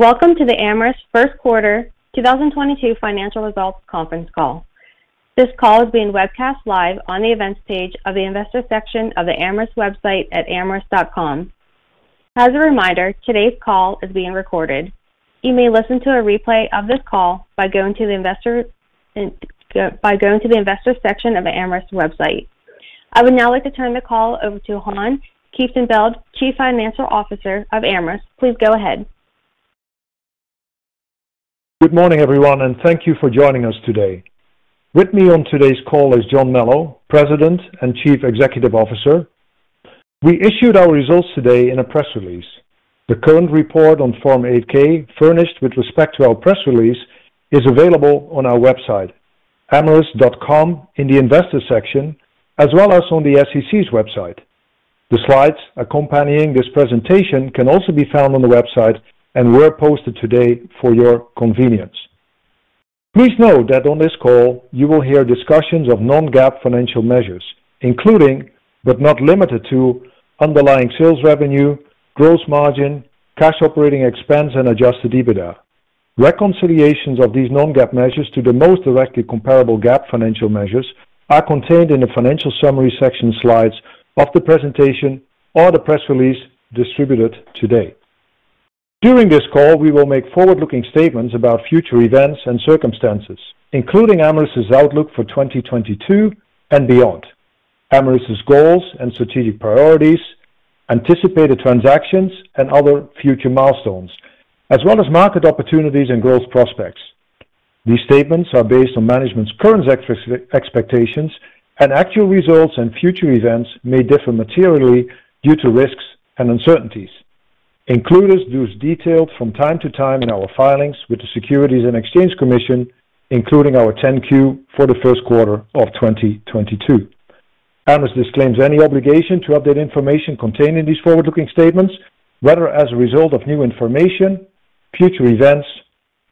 Welcome to the Amyris Q1 2022 financial results conference call. This call is being webcast live on the Events page of the Investors section of the Amyris website at amyris.com. As a reminder, today's call is being recorded. You may listen to a replay of this call by going to the Investors section of Amyris website. I would now like to turn the call over to Han Kieftenbeld, Chief Financial Officer of Amyris. Please go ahead. Good morning, everyone, and thank you for joining us today. With me on today's call is John Melo, President and Chief Executive Officer. We issued our results today in a press release. The current report on Form 8-K furnished with respect to our press release is available on our website, amyris.com, in the Investors section, as well as on the SEC's website. The slides accompanying this presentation can also be found on the website and were posted today for your convenience. Please note that on this call you will hear discussions of non-GAAP financial measures, including, but not limited to underlying sales revenue, gross margin, cash operating expense, and adjusted EBITDA. Reconciliations of these non-GAAP measures to the most directly comparable GAAP financial measures are contained in the financial summary section slides of the presentation or the press release distributed today. During this call, we will make forward-looking statements about future events and circumstances, including Amyris's outlook for 2022 and beyond, Amyris's goals and strategic priorities, anticipated transactions and other future milestones, as well as market opportunities and growth prospects. These statements are based on management's current expectations and actual results and future events may differ materially due to risks and uncertainties, including those detailed from time to time in our filings with the Securities and Exchange Commission, including our 10-Q for the Q1 of 2022. Amyris disclaims any obligation to update information contained in these forward-looking statements, whether as a result of new information, future events,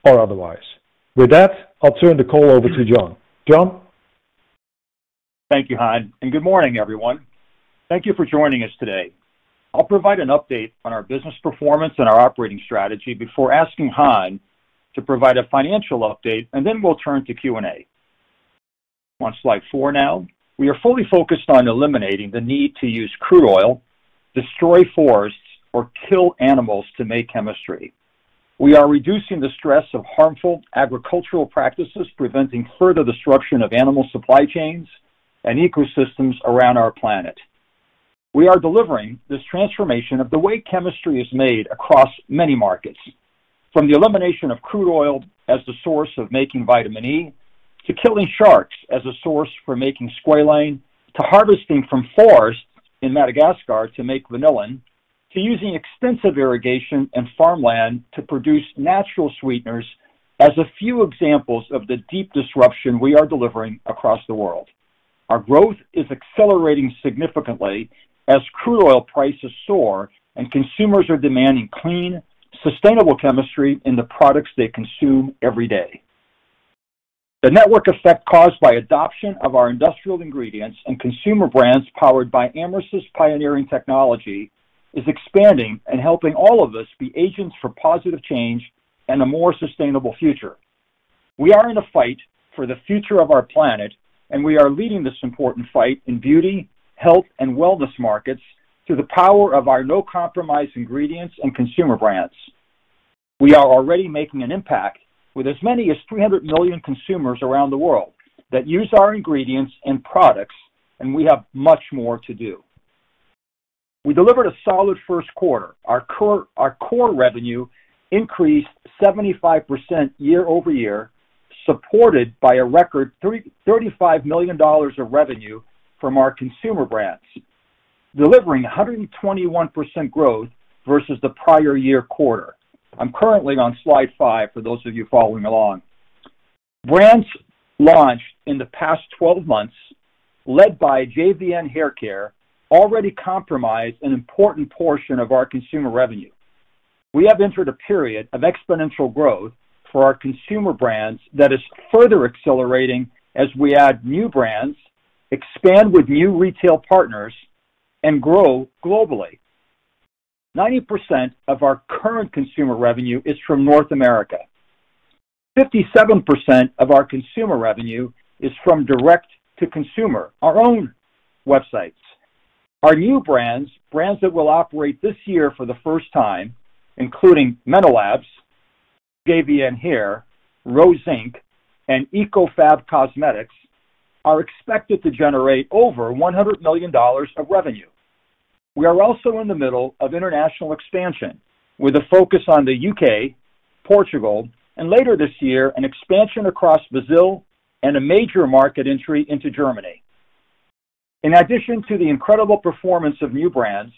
or otherwise. With that, I'll turn the call over to John. Thank you, Han, and good morning, everyone. Thank you for joining us today. I'll provide an update on our business performance and our operating strategy before asking Han to provide a financial update, and then we'll turn to Q&A. On slide 4 now. We are fully focused on eliminating the need to use crude oil, destroy forests, or kill animals to make chemistry. We are reducing the stress of harmful agricultural practices, preventing further disruption of animal supply chains and ecosystems around our planet. We are delivering this transformation of the way chemistry is made across many markets. From the elimination of crude oil as the source of making vitamin E, to killing sharks as a source for making squalane, to harvesting from forests in Madagascar to make vanillin, to using extensive irrigation and farmland to produce natural sweeteners as a few examples of the deep disruption we are delivering across the world. Our growth is accelerating significantly as crude oil prices soar and consumers are demanding clean, sustainable chemistry in the products they consume every day. The network effect caused by adoption of our industrial ingredients and consumer brands powered by Amyris's pioneering technology is expanding and helping all of us be agents for positive change and a more sustainable future. We are in a fight for the future of our planet, and we are leading this important fight in beauty, health and wellness markets through the power of our no compromise ingredients and consumer brands. We are already making an impact with as many as 300 million consumers around the world that use our ingredients and products, and we have much more to do. We delivered a solid Q1. Our core revenue increased 75% year over year, supported by a record $35 million of revenue from our consumer brands, delivering 121% growth versus the prior year quarter. I'm currently on slide five for those of you following along. Brands launched in the past 12 months, led by JVN Hair, already comprise an important portion of our consumer revenue. We have entered a period of exponential growth for our consumer brands that is further accelerating as we add new brands, expand with new retail partners, and grow globally. 90% of our current consumer revenue is from North America. 57% of our consumer revenue is from direct to consumer, our own websites. Our new brands that will operate this year for the first time, including MenoLabs, JVN Hair, Rose Inc., and EcoFabulous Cosmetics, are expected to generate over $100 million of revenue. We are also in the middle of international expansion with a focus on the U.K., Portugal, and later this year an expansion across Brazil and a major market entry into Germany. In addition to the incredible performance of new brands,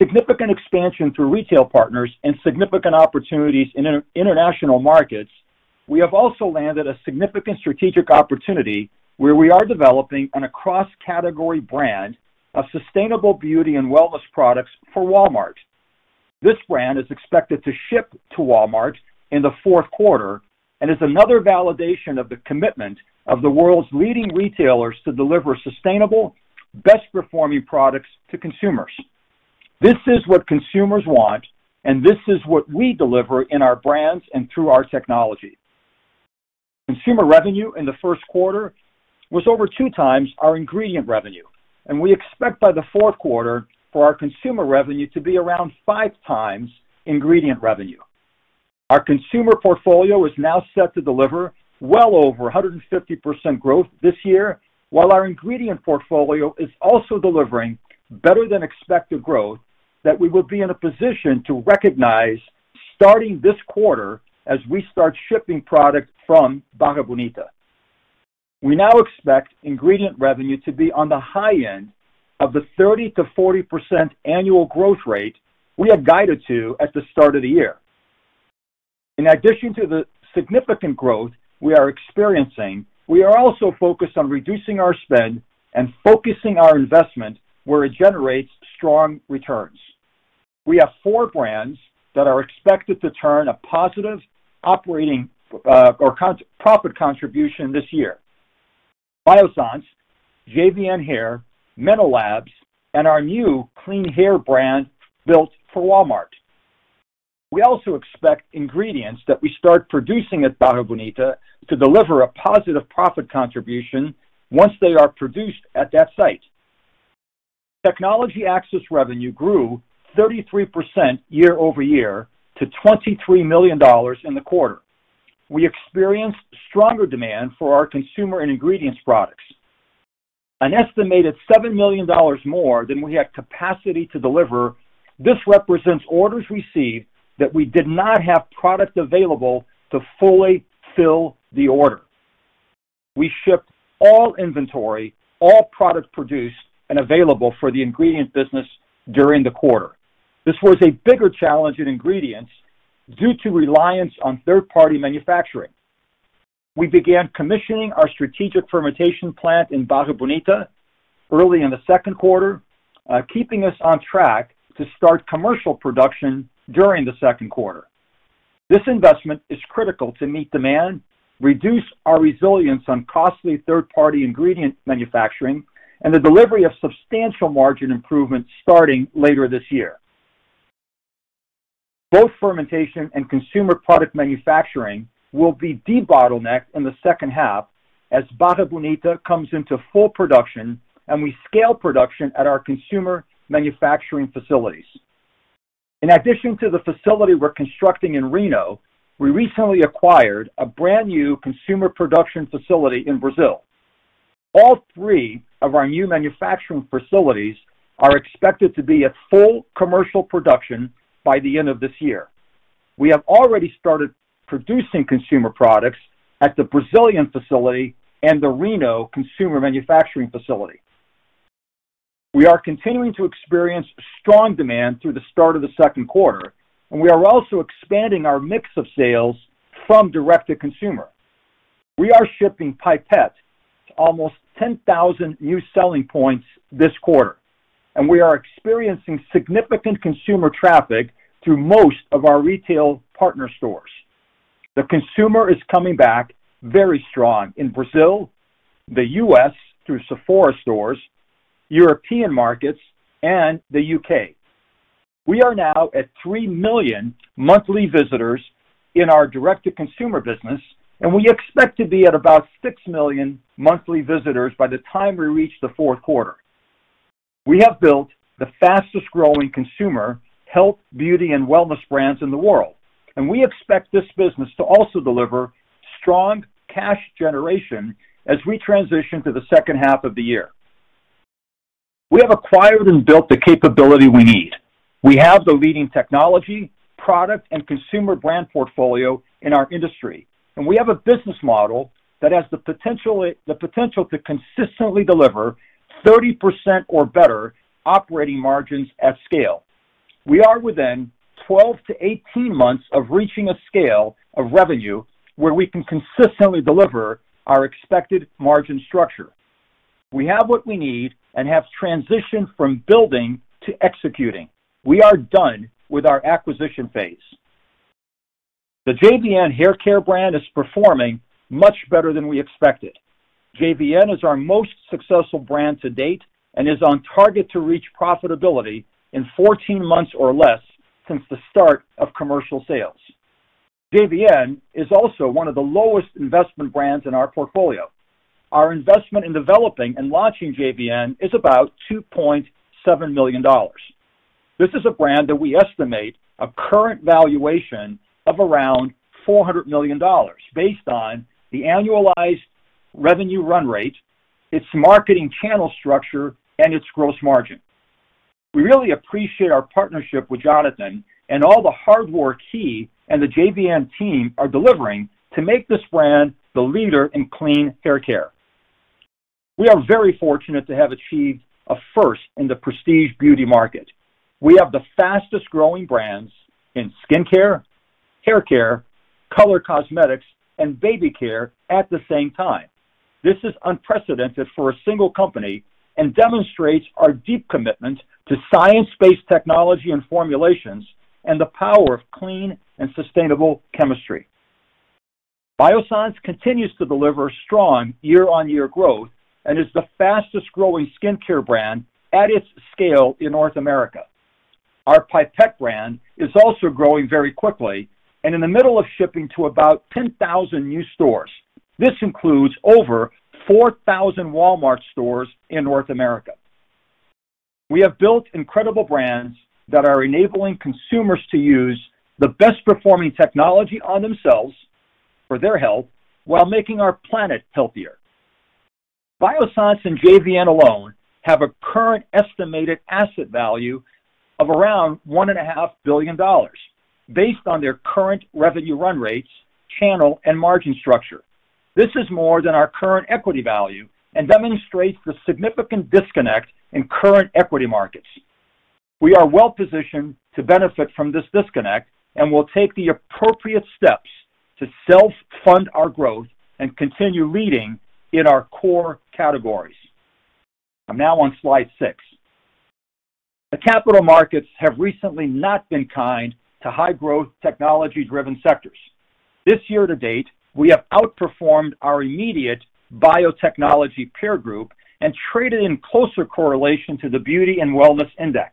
significant expansion through retail partners and significant opportunities in international markets, we have also landed a significant strategic opportunity where we are developing a cross-category brand of sustainable beauty and wellness products for Walmart. This brand is expected to ship to Walmart in the Q4 and is another validation of the commitment of the world's leading retailers to deliver sustainable, best-performing products to consumers. This is what consumers want, and this is what we deliver in our brands and through our technology. Consumer revenue in the Q1 was over two times our ingredient revenue, and we expect by the Q4 for our consumer revenue to be around five times ingredient revenue. Our consumer portfolio is now set to deliver well over 150% growth this year, while our ingredient portfolio is also delivering better than expected growth that we will be in a position to recognize starting this quarter as we start shipping product from Barra Bonita. We now expect ingredient revenue to be on the high end of the 30%-40% annual growth rate we have guided to at the start of the year. In addition to the significant growth we are experiencing, we are also focused on reducing our spend and focusing our investment where it generates strong returns. We have four brands that are expected to turn a positive operating or contribution profit this year. Biossance, JVN Hair, MenoLabs and our new clean hair brand built for Walmart. We also expect ingredients that we start producing at Barra Bonita to deliver a positive profit contribution once they are produced at that site. Technology access revenue grew 33% year-over-year to $23 million in the quarter. We experienced stronger demand for our consumer and ingredients products. An estimated $7 million more than we had capacity to deliver. This represents orders received that we did not have product available to fully fill the order. We shipped all inventory, all product produced and available for the ingredient business during the quarter. This was a bigger challenge in ingredients due to reliance on third-party manufacturing. We began commissioning our strategic fermentation plant in Barra Bonita early in the Q2, keeping us on track to start commercial production during the Q2. This investment is critical to meet demand, reduce our reliance on costly third-party ingredient manufacturing and the delivery of substantial margin improvements starting later this year. Both fermentation and consumer product manufacturing will be debottlenecked in the H2 as Barra Bonita comes into full production and we scale production at our consumer manufacturing facilities. In addition to the facility we're constructing in Reno, we recently acquired a brand new consumer production facility in Brazil. All three of our new manufacturing facilities are expected to be at full commercial production by the end of this year. We have already started producing consumer products at the Brazilian facility and the Reno consumer manufacturing facility. We are continuing to experience strong demand through the start of the Q2, and we are also expanding our mix of sales from direct to consumer. We are shipping Pipette to almost 10,000 new selling points this quarter, and we are experiencing significant consumer traffic through most of our retail partner stores. The consumer is coming back very strong in Brazil, the U.S. through Sephora stores, European markets and the U.K. We are now at three million monthly visitors in our direct to consumer business, and we expect to be at about six million monthly visitors by the time we reach the Q4. We have built the fastest growing consumer health, beauty and wellness brands in the world, and we expect this business to also deliver strong cash generation as we transition to the H2. We have acquired and built the capability we need. We have the leading technology, product and consumer brand portfolio in our industry. We have a business model that has the potential to consistently deliver 30% or better operating margins at scale. We are within 12-18 months of reaching a scale of revenue where we can consistently deliver our expected margin structure. We have what we need and have transitioned from building to executing. We are done with our acquisition phase. The JVN Hair brand is performing much better than we expected. JVN is our most successful brand to date and is on target to reach profitability in 14 months or less since the start of commercial sales. JVN is also one of the lowest investment brands in our portfolio. Our investment in developing and launching JVN is about $2.7 million. This is a brand that we estimate a current valuation of around $400 million based on the annualized revenue run rate, its marketing channel structure and its gross margin. We really appreciate our partnership with Jonathan and all the hard work he and the JVN team are delivering to make this brand the leader in clean hair care. We are very fortunate to have achieved a first in the prestige beauty market. We have the fastest growing brands in skincare, hair care, color cosmetics and baby care at the same time. This is unprecedented for a single company and demonstrates our deep commitment to science-based technology and formulations and the power of clean and sustainable chemistry. Biossance continues to deliver strong year-on-year growth and is the fastest-growing skincare brand at its scale in North America. Our Pipette brand is also growing very quickly and in the middle of shipping to about 10,000 new stores. This includes over 4,000 Walmart stores in North America. We have built incredible brands that are enabling consumers to use the best performing technology on themselves for their health while making our planet healthier. Biossance and JVN alone have a current estimated asset value of around $1.5 billion based on their current revenue run rates, channel, and margin structure. This is more than our current equity value and demonstrates the significant disconnect in current equity markets. We are well-positioned to benefit from this disconnect, and we'll take the appropriate steps to self-fund our growth and continue leading in our core categories. I'm now on slide 6. The capital markets have recently not been kind to high growth, technology-driven sectors. This year to date, we have outperformed our immediate biotechnology peer group and traded in closer correlation to the Beauty and Wellness Index.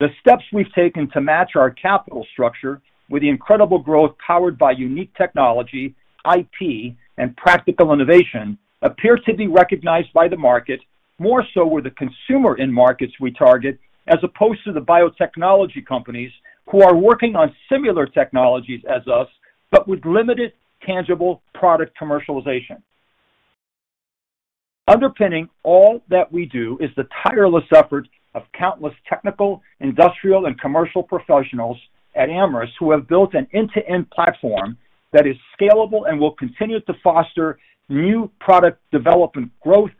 The steps we've taken to match our capital structure with the incredible growth powered by unique technology, IT, and practical innovation appears to be recognized by the market, more so with the consumer end markets we target, as opposed to the biotechnology companies who are working on similar technologies as us, but with limited tangible product commercialization. Underpinning all that we do is the tireless effort of countless technical, industrial, and commercial professionals at Amyris who have built an end-to-end platform that is scalable and will continue to foster new product development growth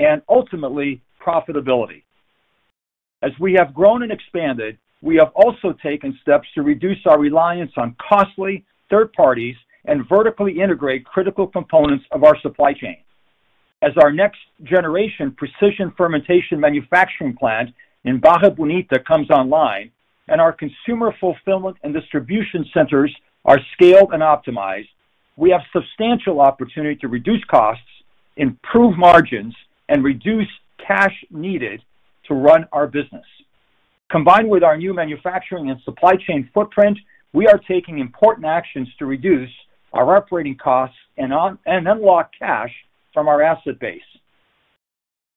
and ultimately profitability. As we have grown and expanded, we have also taken steps to reduce our reliance on costly third parties and vertically integrate critical components of our supply chain. As our next generation precision fermentation manufacturing plant in Barra Bonita comes online and our consumer fulfillment and distribution centers are scaled and optimized, we have substantial opportunity to reduce costs, improve margins, and reduce cash needed to run our business. Combined with our new manufacturing and supply chain footprint, we are taking important actions to reduce our operating costs and unlock cash from our asset base.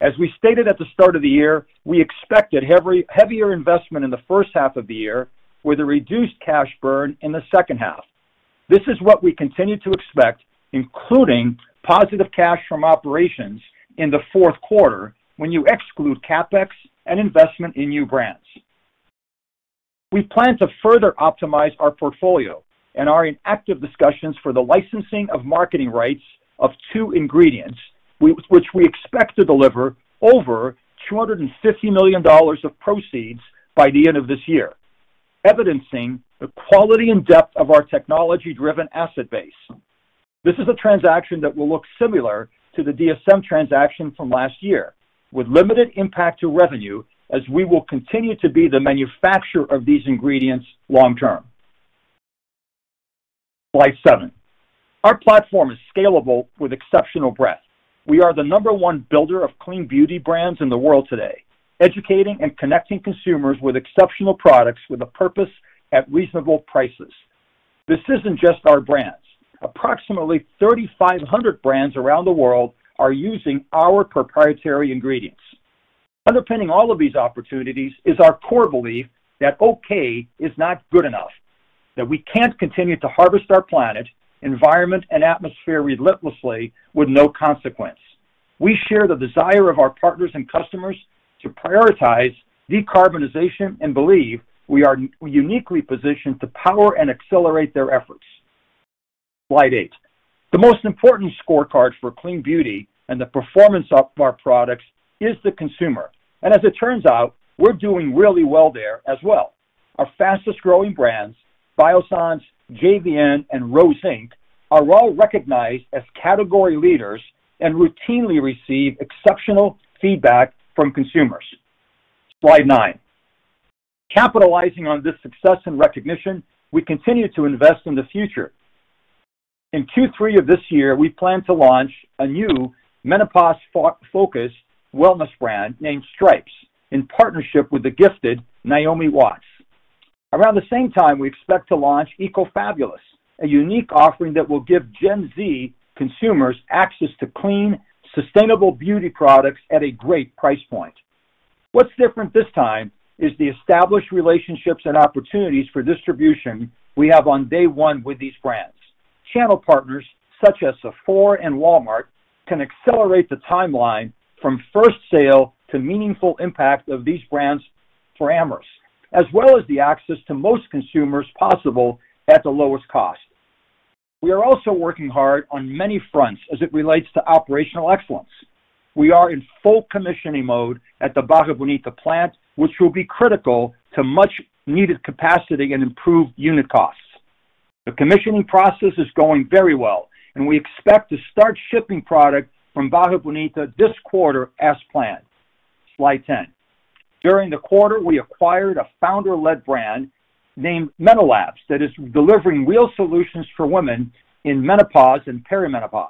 As we stated at the start of the year, we expected heavier investment in the H1 with a reduced cash burn in the H2. This is what we continue to expect, including positive cash from operations in the Q4 when you exclude CapEx and investment in new brands. We plan to further optimize our portfolio and are in active discussions for the licensing of marketing rights of two ingredients, which we expect to deliver over $250 million of proceeds by the end of this year, evidencing the quality and depth of our technology-driven asset base. This is a transaction that will look similar to the DSM transaction from last year, with limited impact to revenue as we will continue to be the manufacturer of these ingredients long term. Slide seven. Our platform is scalable with exceptional breadth. We are the number one builder of clean beauty brands in the world today, educating and connecting consumers with exceptional products with a purpose at reasonable prices. This isn't just our brands. Approximately 3,500 brands around the world are using our proprietary ingredients. Underpinning all of these opportunities is our core belief that okay is not good enough, that we can't continue to harvest our planet, environment, and atmosphere relentlessly with no consequence. We share the desire of our partners and customers to prioritize decarbonization and believe we are uniquely positioned to power and accelerate their efforts. Slide eight. The most important scorecard for clean beauty and the performance of our products is the consumer. As it turns out, we're doing really well there as well. Our fastest-growing brands, Biossance, JVN, and Rose Inc., are all recognized as category leaders and routinely receive exceptional feedback from consumers. Slide 9. Capitalizing on this success and recognition, we continue to invest in the future. In Q3 of this year, we plan to launch a new menopause wellness brand named Stripes in partnership with the gifted Naomi Watts. Around the same time, we expect to launch EcoFabulous, a unique offering that will give Gen Z consumers access to clean, sustainable beauty products at a great price point. What's different this time is the established relationships and opportunities for distribution we have on day one with these brands. Channel partners such as Sephora and Walmart can accelerate the timeline from first sale to meaningful impact of these brands for Amyris, as well as the access to most consumers possible at the lowest cost. We are also working hard on many fronts as it relates to operational excellence. We are in full commissioning mode at the Barra Bonita plant, which will be critical to much needed capacity and improved unit costs. The commissioning process is going very well, and we expect to start shipping product from Barra Bonita this quarter as planned. Slide 10. During the quarter, we acquired a founder-led brand named MenoLabs that is delivering real solutions for women in menopause and perimenopause.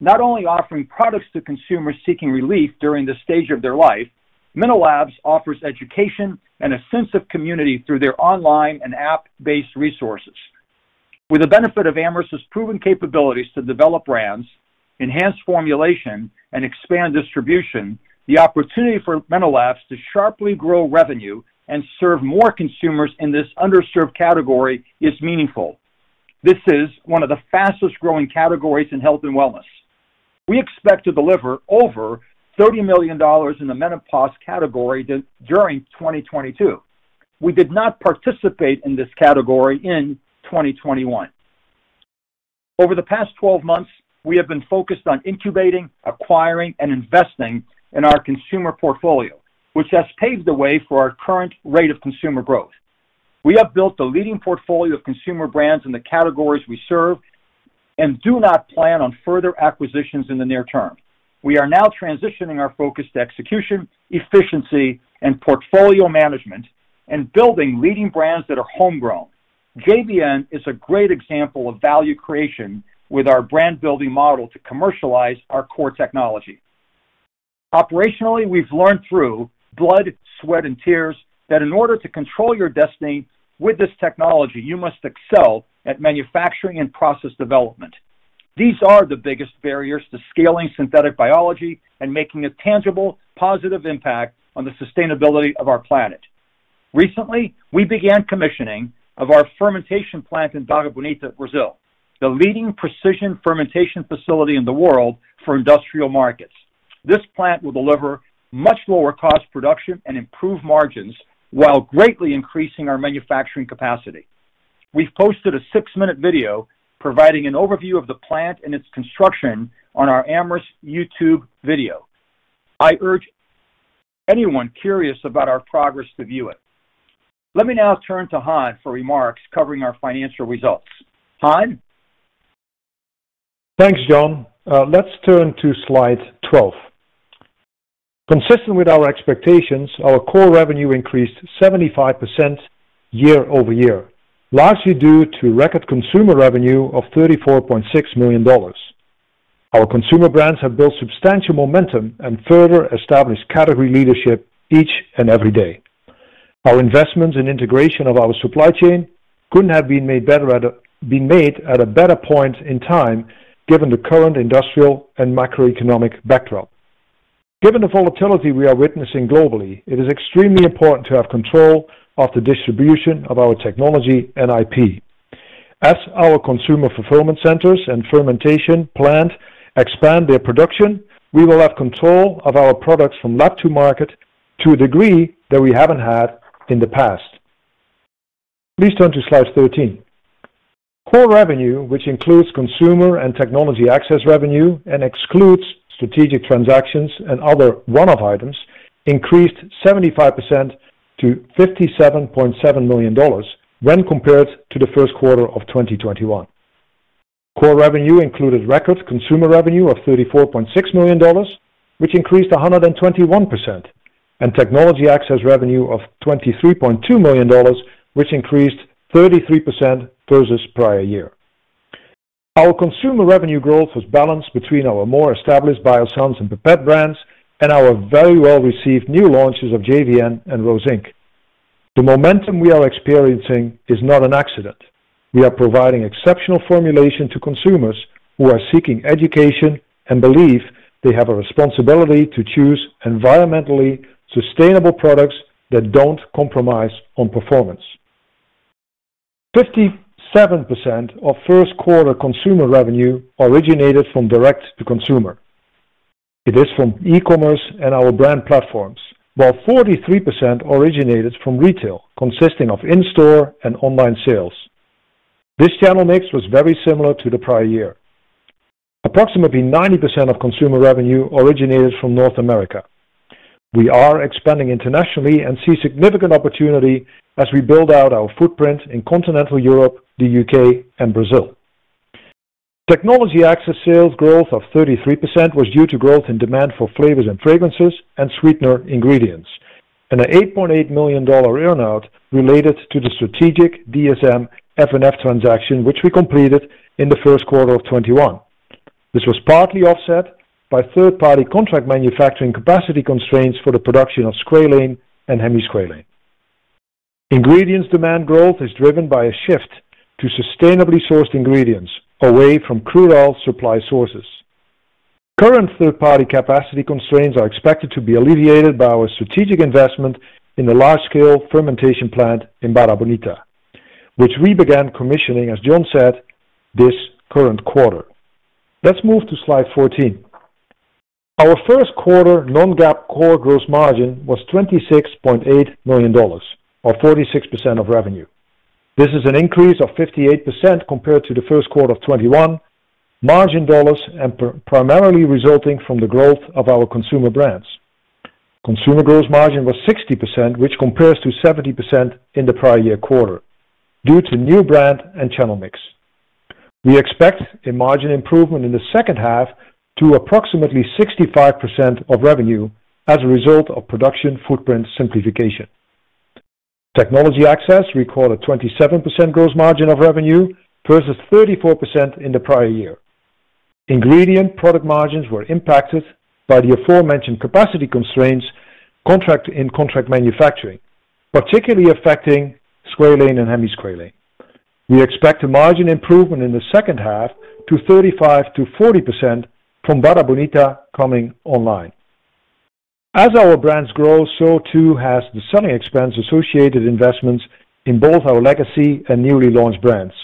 Not only offering products to consumers seeking relief during this stage of their life, MenoLabs offers education and a sense of community through their online and app-based resources. With the benefit of Amyris' proven capabilities to develop brands, enhance formulation, and expand distribution, the opportunity for MenoLabs to sharply grow revenue and serve more consumers in this underserved category is meaningful. This is one of the fastest-growing categories in health and wellness. We expect to deliver over $30 million in the menopause category during 2022. We did not participate in this category in 2021. Over the past 12 months, we have been focused on incubating, acquiring, and investing in our consumer portfolio, which has paved the way for our current rate of consumer growth. We have built a leading portfolio of consumer brands in the categories we serve and do not plan on further acquisitions in the near term. We are now transitioning our focus to execution, efficiency, and portfolio management and building leading brands that are homegrown. JVN is a great example of value creation with our brand-building model to commercialize our core technology. Operationally, we've learned through blood, sweat, and tears that in order to control your destiny with this technology, you must excel at manufacturing and process development. These are the biggest barriers to scaling synthetic biology and making a tangible, positive impact on the sustainability of our planet. Recently, we began commissioning of our fermentation plant in Barra Bonita, Brazil, the leading precision fermentation facility in the world for industrial markets. This plant will deliver much lower cost production and improve margins while greatly increasing our manufacturing capacity. We've posted a six-minute video providing an overview of the plant and its construction on our Amyris YouTube video. I urge anyone curious about our progress to view it. Let me now turn to Han for remarks covering our financial results. Han. Thanks, John. Let's turn to slide 12. Consistent with our expectations, our core revenue increased 75% year-over-year, largely due to record consumer revenue of $34.6 million. Our consumer brands have built substantial momentum and further establish category leadership each and every day. Our investments in integration of our supply chain couldn't have been made at a better point in time given the current industrial and macroeconomic backdrop. Given the volatility we are witnessing globally, it is extremely important to have control of the distribution of our technology and IP. As our consumer fulfillment centers and fermentation plant expand their production, we will have control of our products from lab to market to a degree that we haven't had in the past. Please turn to slide 13. Core revenue, which includes consumer and technology access revenue and excludes strategic transactions and other one-off items, increased 75% to $57.7 million when compared to the Q1 of 2021. Core revenue included record consumer revenue of $34.6 million, which increased 121%, and technology access revenue of $23.2 million, which increased 33% versus prior year. Our consumer revenue growth was balanced between our more established Biossance and Pipette brands and our very well-received new launches of JVN and Rose Inc. The momentum we are experiencing is not an accident. We are providing exceptional formulation to consumers who are seeking education and believe they have a responsibility to choose environmentally sustainable products that don't compromise on performance. 57% of Q1 consumer revenue originated from direct to consumer. It is from e-commerce and our brand platforms, while 43% originated from retail consisting of in-store and online sales. This channel mix was very similar to the prior year. Approximately 90% of consumer revenue originated from North America. We are expanding internationally and see significant opportunity as we build out our footprint in continental Europe, the U.K., and Brazil. Technology access sales growth of 33% was due to growth in demand for flavors and fragrances and sweetener ingredients, and an $8.8 million earn-out related to the strategic DSM F&F transaction, which we completed in the Q1 of 2021. This was partly offset by third-party contract manufacturing capacity constraints for the production of squalane and hemisqualane. Ingredients demand growth is driven by a shift to sustainably sourced ingredients away from crude oil supply sources. Current third-party capacity constraints are expected to be alleviated by our strategic investment in the large scale fermentation plant in Barra Bonita, which we began commissioning, as John said, this current quarter. Let's move to slide 14. Our Q1 non-GAAP core gross margin was $26.8 million or 46% of revenue. This is an increase of 58% compared to the Q1 of 2021 margin dollars and primarily resulting from the growth of our consumer brands. Consumer gross margin was 60%, which compares to 70% in the prior year quarter due to new brand and channel mix. We expect a margin improvement in the H2 to approximately 65% of revenue as a result of production footprint simplification. Technology access recorded 27% gross margin of revenue versus 34% in the prior year. Ingredient product margins were impacted by the aforementioned capacity constraints in contract manufacturing, particularly affecting squalane and hemisqualane. We expect a margin improvement in the H2 to 35%-40% from Barra Bonita coming online. As our brands grow, so too has the selling expense associated investments in both our legacy and newly launched brands.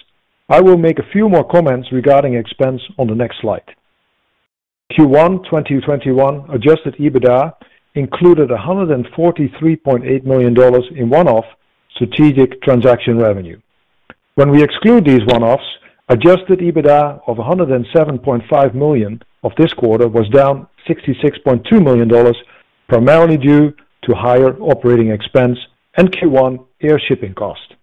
I will make a few more comments regarding expense on the next slide. Q1 2021 adjusted EBITDA included $143.8 million in one-off strategic transaction revenue. When we exclude these one-offs, adjusted EBITDA of $107.5 million of this quarter was down $66.2 million, primarily due to higher operating expense and Q1 air shipping cost.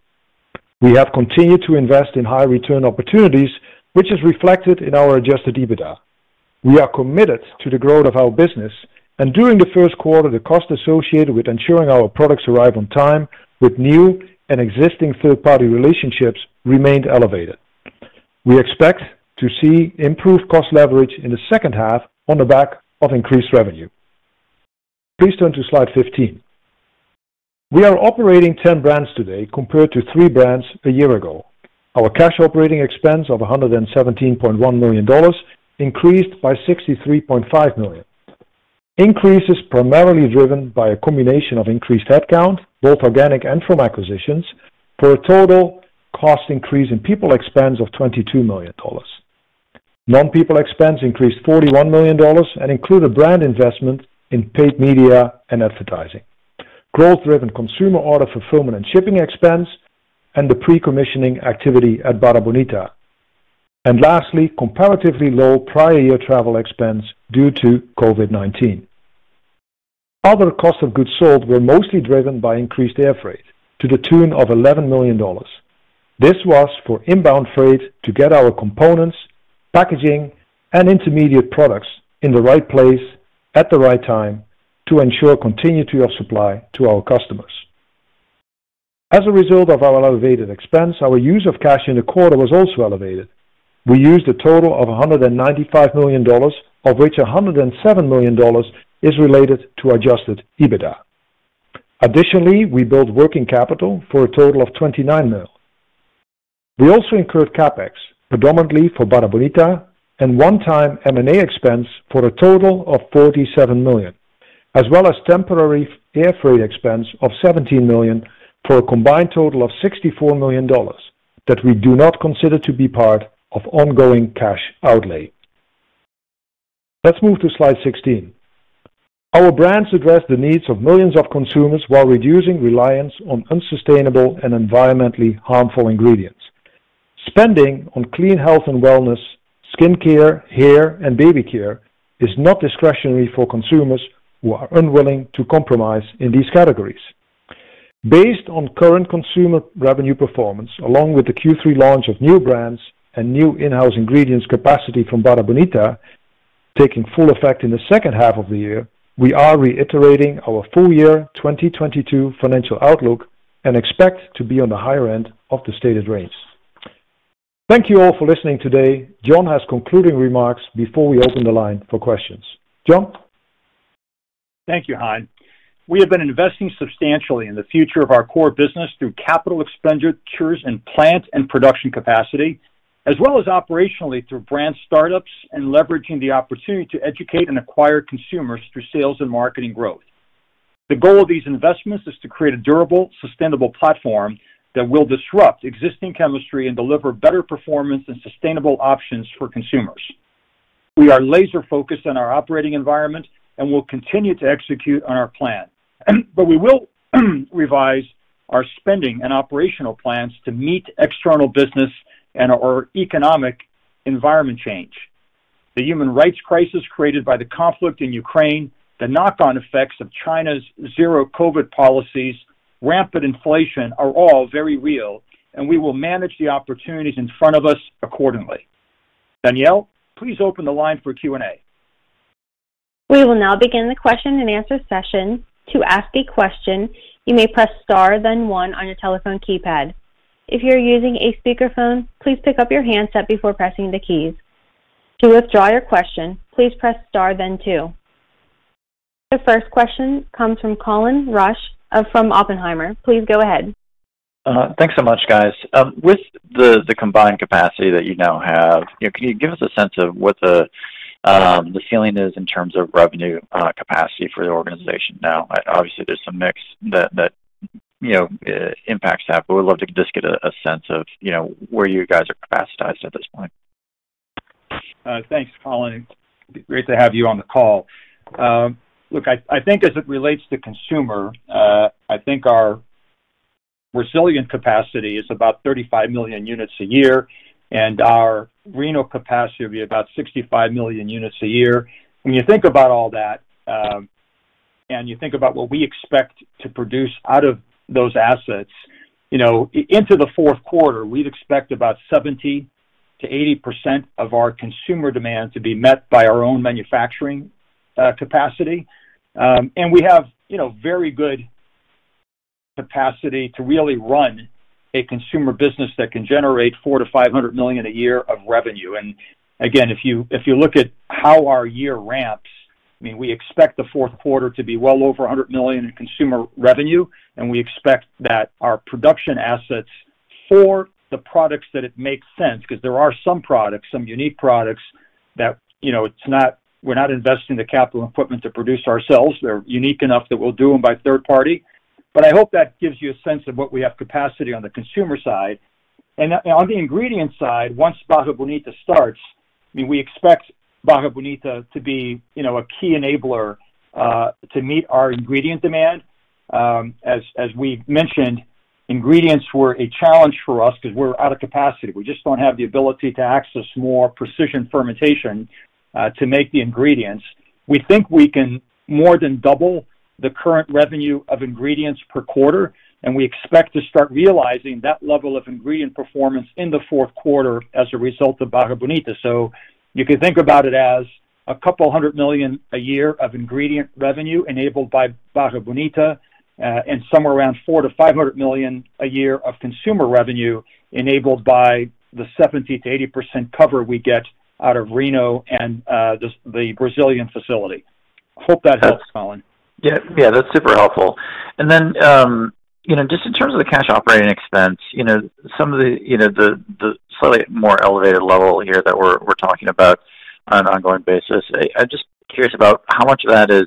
We have continued to invest in high return opportunities, which is reflected in our adjusted EBITDA. We are committed to the growth of our business, and during the Q1, the cost associated with ensuring our products arrive on time with new and existing third-party relationships remained elevated. We expect to see improved cost leverage in the H2 on the back of increased revenue. Please turn to slide 15. We are operating 10 brands today compared to three brands a year ago. Our cash operating expense of $117.1 million increased by $63.5 million. Increase is primarily driven by a combination of increased headcount, both organic and from acquisitions, for a total cost increase in people expense of $22 million. Non-people expense increased $41 million and included brand investment in paid media and advertising. Growth-driven consumer order fulfillment and shipping expense and the pre-commissioning activity at Barra Bonita. Lastly, comparatively low prior year travel expense due to COVID-19. Other costs of goods sold were mostly driven by increased air freight to the tune of $11 million. This was for inbound freight to get our components, packaging, and intermediate products in the right place at the right time to ensure continuity of supply to our customers. As a result of our elevated expense, our use of cash in the quarter was also elevated. We used a total of $195 million, of which $107 million is related to adjusted EBITDA. Additionally, we built working capital for a total of $29 million. We also incurred CapEx, predominantly for Barra Bonita and one-time M&A expense for a total of $47 million, as well as temporary air freight expense of $17 million for a combined total of $64 million that we do not consider to be part of ongoing cash outlay. Let's move to slide 16. Our brands address the needs of millions of consumers while reducing reliance on unsustainable and environmentally harmful ingredients. Spending on clean health and wellness, skin care, hair, and baby care is not discretionary for consumers who are unwilling to compromise in these categories. Based on current consumer revenue performance, along with the Q3 launch of new brands and new in-house ingredients capacity from Barra Bonita taking full effect in the H2, we are reiterating our full-year 2022 financial outlook and expect to be on the higher end of the stated range. Thank you all for listening today. John has concluding remarks before we open the line for questions. John? Thank you, Han. We have been investing substantially in the future of our core business through capital expenditures in plant and production capacity, as well as operationally through brand startups and leveraging the opportunity to educate and acquire consumers through sales and marketing growth. The goal of these investments is to create a durable, sustainable platform that will disrupt existing chemistry and deliver better performance and sustainable options for consumers. We are laser-focused on our operating environment and will continue to execute on our plan, but we will revise our spending and operational plans to meet external business and our economic environment change. The human rights crisis created by the conflict in Ukraine, the knock-on effects of China's zero COVID-19 policies, rampant inflation are all very real, and we will manage the opportunities in front of us accordingly. Danielle, please open the line for Q&A. We will now begin the question-and-answer session. To ask a question, you may press star then one on your telephone keypad. If you're using a speakerphone, please pick up your handset before pressing the keys. To withdraw your question, please press star then two. The first question comes from Colin Rusch from Oppenheimer. Please go ahead. Thanks so much, guys. With the combined capacity that you now have, can you give us a sense of what the ceiling is in terms of revenue capacity for the organization now? Obviously, there's some mix that you know impacts that, but we'd love to just get a sense of you know where you guys are capacitated at this point. Thanks, Colin. Great to have you on the call. Look, I think as it relates to consumer, I think our filling capacity is about 35 million units a year, and our annual capacity will be about 65 million units a year. When you think about all that, you think about what we expect to produce out of those assets, you know, into the Q4, we'd expect about 70%-80% of our consumer demand to be met by our own manufacturing capacity. We have, you know, very good capacity to really run a consumer business that can generate $400-$500 million a year of revenue. Again, if you look at how our year ramps, I mean, we expect the Q4 to be well over $100 million in consumer revenue, and we expect that our production assets for the products that it makes sense, because there are some products, some unique products that we're not investing the capital equipment to produce ourselves. They're unique enough that we'll do them by third party. I hope that gives you a sense of what we have capacity on the consumer side. On the ingredient side, once Barra Bonita starts, I mean, we expect Barra Bonita to be a key enabler to meet our ingredient demand. As we've mentioned, ingredients were a challenge for us 'cause we're out of capacity. We just don't have the ability to access more precision fermentation to make the ingredients. We think we can more than double the current revenue of ingredients per quarter, and we expect to start realizing that level of ingredient performance in the Q4 as a result of Barra Bonita. You can think about it as $200 million a year of ingredient revenue enabled by Barra Bonita, and somewhere around $400 million-$500 million a year of consumer revenue enabled by the 70%-80% cover we get out of Reno and the Brazilian facility. Hope that helps, Colin. Yeah. Yeah, that's super helpful. Then, you know, just in terms of the cash operating expense, you know, some of the, you know, the slightly more elevated level here that we're talking about on an ongoing basis. I'm just curious about how much of that is,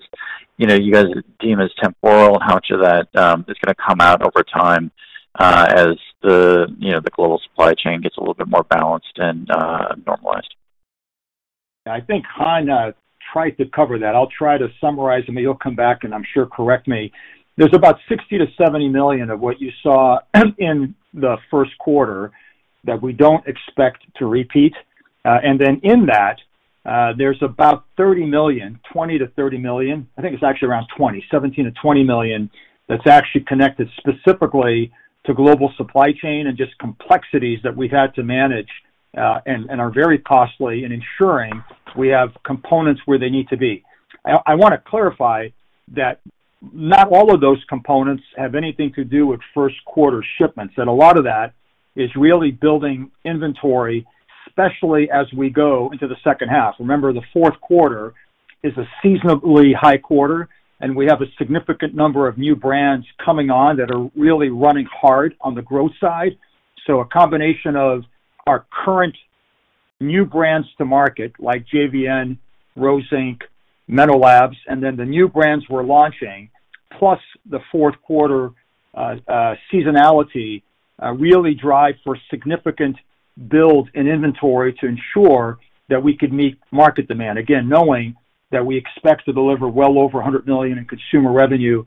you know, you guys deem as temporal, how much of that is gonna come out over time, as the, you know, the global supply chain gets a little bit more balanced and normalized. I think Han tried to cover that. I'll try to summarize, and maybe he'll come back and I'm sure correct me. There's about $60 million-$70 million of what you saw in the Q1 that we don't expect to repeat. In that, there's about $30 million, $20 million-$30 million. I think it's actually around 20. $17 million-$20 million that's actually connected specifically to global supply chain and just complexities that we've had to manage, and are very costly in ensuring we have components where they need to be. I wanna clarify that not all of those components have anything to do with Q1 shipments. A lot of that is really building inventory, especially as we go into the H2. Remember, the Q4 is a seasonally high quarter, and we have a significant number of new brands coming on that are really running hard on the growth side. A combination of our current new brands to market, like JVN, Rose Inc., MenoLabs, and then the new brands we're launching, plus the Q4 seasonality, really drive for significant build in inventory to ensure that we could meet market demand. Again, knowing that we expect to deliver well over $100 million in consumer revenue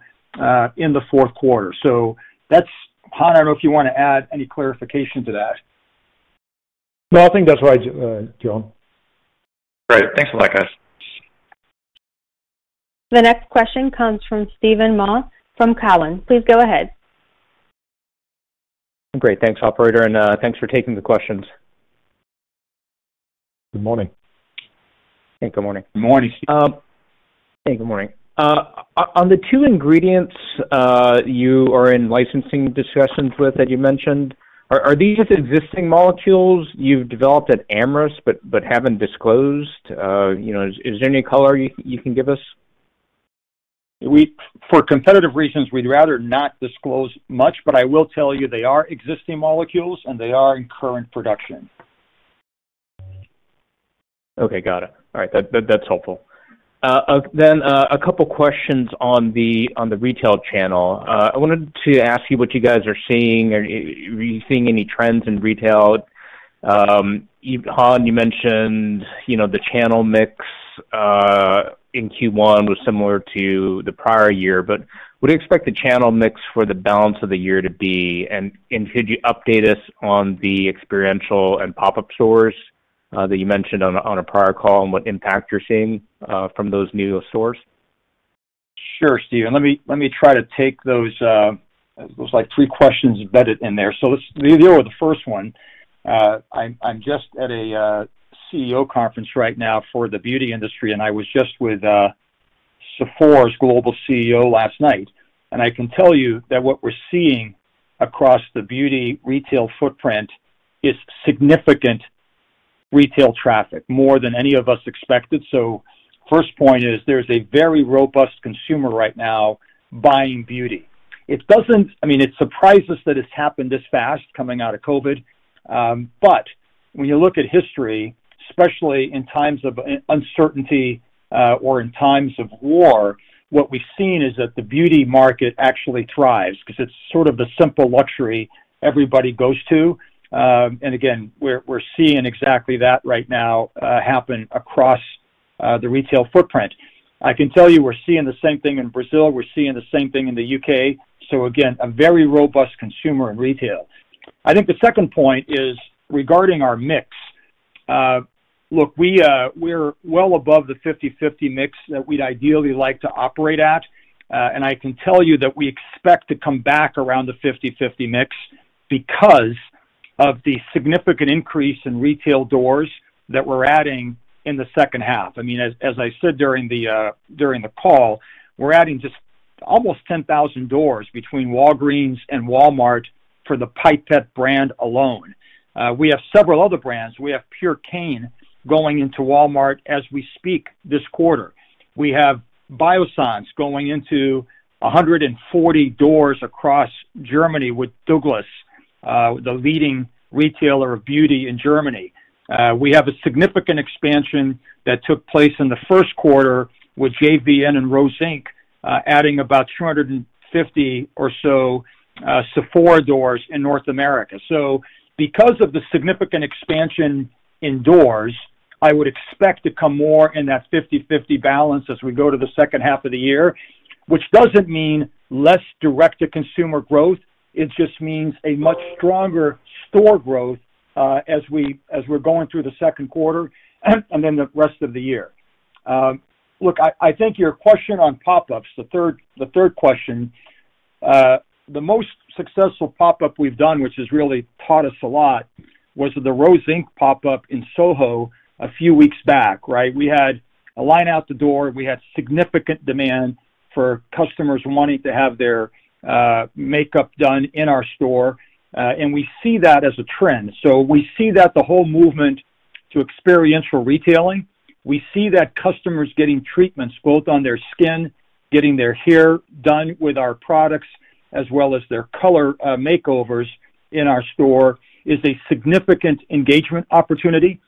in the Q4. That's. Han, I don't know if you wanna add any clarification to that. No, I think that's right, John. Great. Thanks a lot, guys. The next question comes from Steven Mah from Cowen. Please go ahead. Great. Thanks, operator, and thanks for taking the questions. Good morning. Hey. Good morning. Morning. Hey. Good morning. On the two ingredients you are in licensing discussions with that you mentioned, are these just existing molecules you've developed at Amyris but haven't disclosed? You know, is there any color you can give us? For competitive reasons, we'd rather not disclose much, but I will tell you they are existing molecules, and they are in current production. Okay. Got it. All right. That's helpful. A couple questions on the retail channel. I wanted to ask you what you guys are seeing. Are you seeing any trends in retail? Han, you mentioned the channel mix in Q1 was similar to the prior year. What do you expect the channel mix for the balance of the year to be? Could you update us on the experiential and pop-up stores that you mentioned on a prior call and what impact you're seeing from those new stores? Sure, Steven. Let me try to take those, like, three questions embedded in there. Let's deal with the first one. I'm just at a CEO conference right now for the beauty industry, and I was just with Sephora's global CEO last night. I can tell you that what we're seeing across the beauty retail footprint is significant retail traffic, more than any of us expected. First point is, there's a very robust consumer right now buying beauty. It doesn't. I mean, it surprised us that it's happened this fast coming out of COVID. When you look at history, especially in times of uncertainty, or in times of war, what we've seen is that the beauty market actually thrives 'cause it's sort of the simple luxury everybody goes to. Again, we're seeing exactly that right now happen across the retail footprint. I can tell you we're seeing the same thing in Brazil. We're seeing the same thing in the U.K. Again, a very robust consumer in retail. I think the second point is regarding our mix. Look, we're well above the 50/50 mix that we'd ideally like to operate at. I can tell you that we expect to come back around the 50/50 mix because of the significant increase in retail doors that we're adding in the H2. I mean, as I said during the call, we're adding just almost 10,000 doors between Walgreens and Walmart for the Pipette brand alone. We have several other brands. We have Purecane going into Walmart as we speak this quarter. We have Biossance going into 140 doors across Germany with Douglas, the leading retailer of beauty in Germany. We have a significant expansion that took place in the Q1 with JVN and Rose Inc., adding about 250 or so Sephora doors in North America. Because of the significant expansion in doors, I would expect to come more in that 50-50 balance as we go to the H2, which doesn't mean less direct to consumer growth. It just means a much stronger store growth, as we're going through the Q2 and then the rest of the year. Look, I think your question on pop-ups, the third question, the most successful pop-up we've done, which has really taught us a lot, was the Rose Inc. Pop-up in Soho a few weeks back, right? We had a line out the door. We had significant demand for customers wanting to have their makeup done in our store. We see that as a trend. We see that the whole movement to experiential retailing, we see that customers getting treatments both on their skin, getting their hair done with our products, as well as their color makeovers in our store, is a significant engagement opportunity.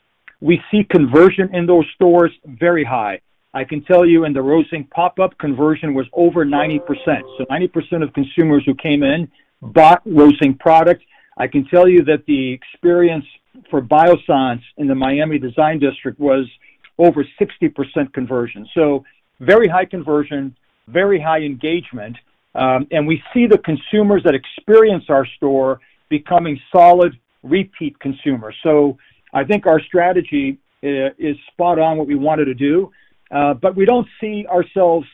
We see conversion in those stores very high. I can tell you in the Rose Inc. pop-up conversion was over 90%. 90% of consumers who came in bought Rose Inc. products. I can tell you that the experience for Biossance in the Miami Design District was over 60% conversion. Very high conversion, very high engagement. We see the consumers that experience our store becoming solid repeat consumers. I think our strategy is spot on what we wanted to do. We don't see ourselves,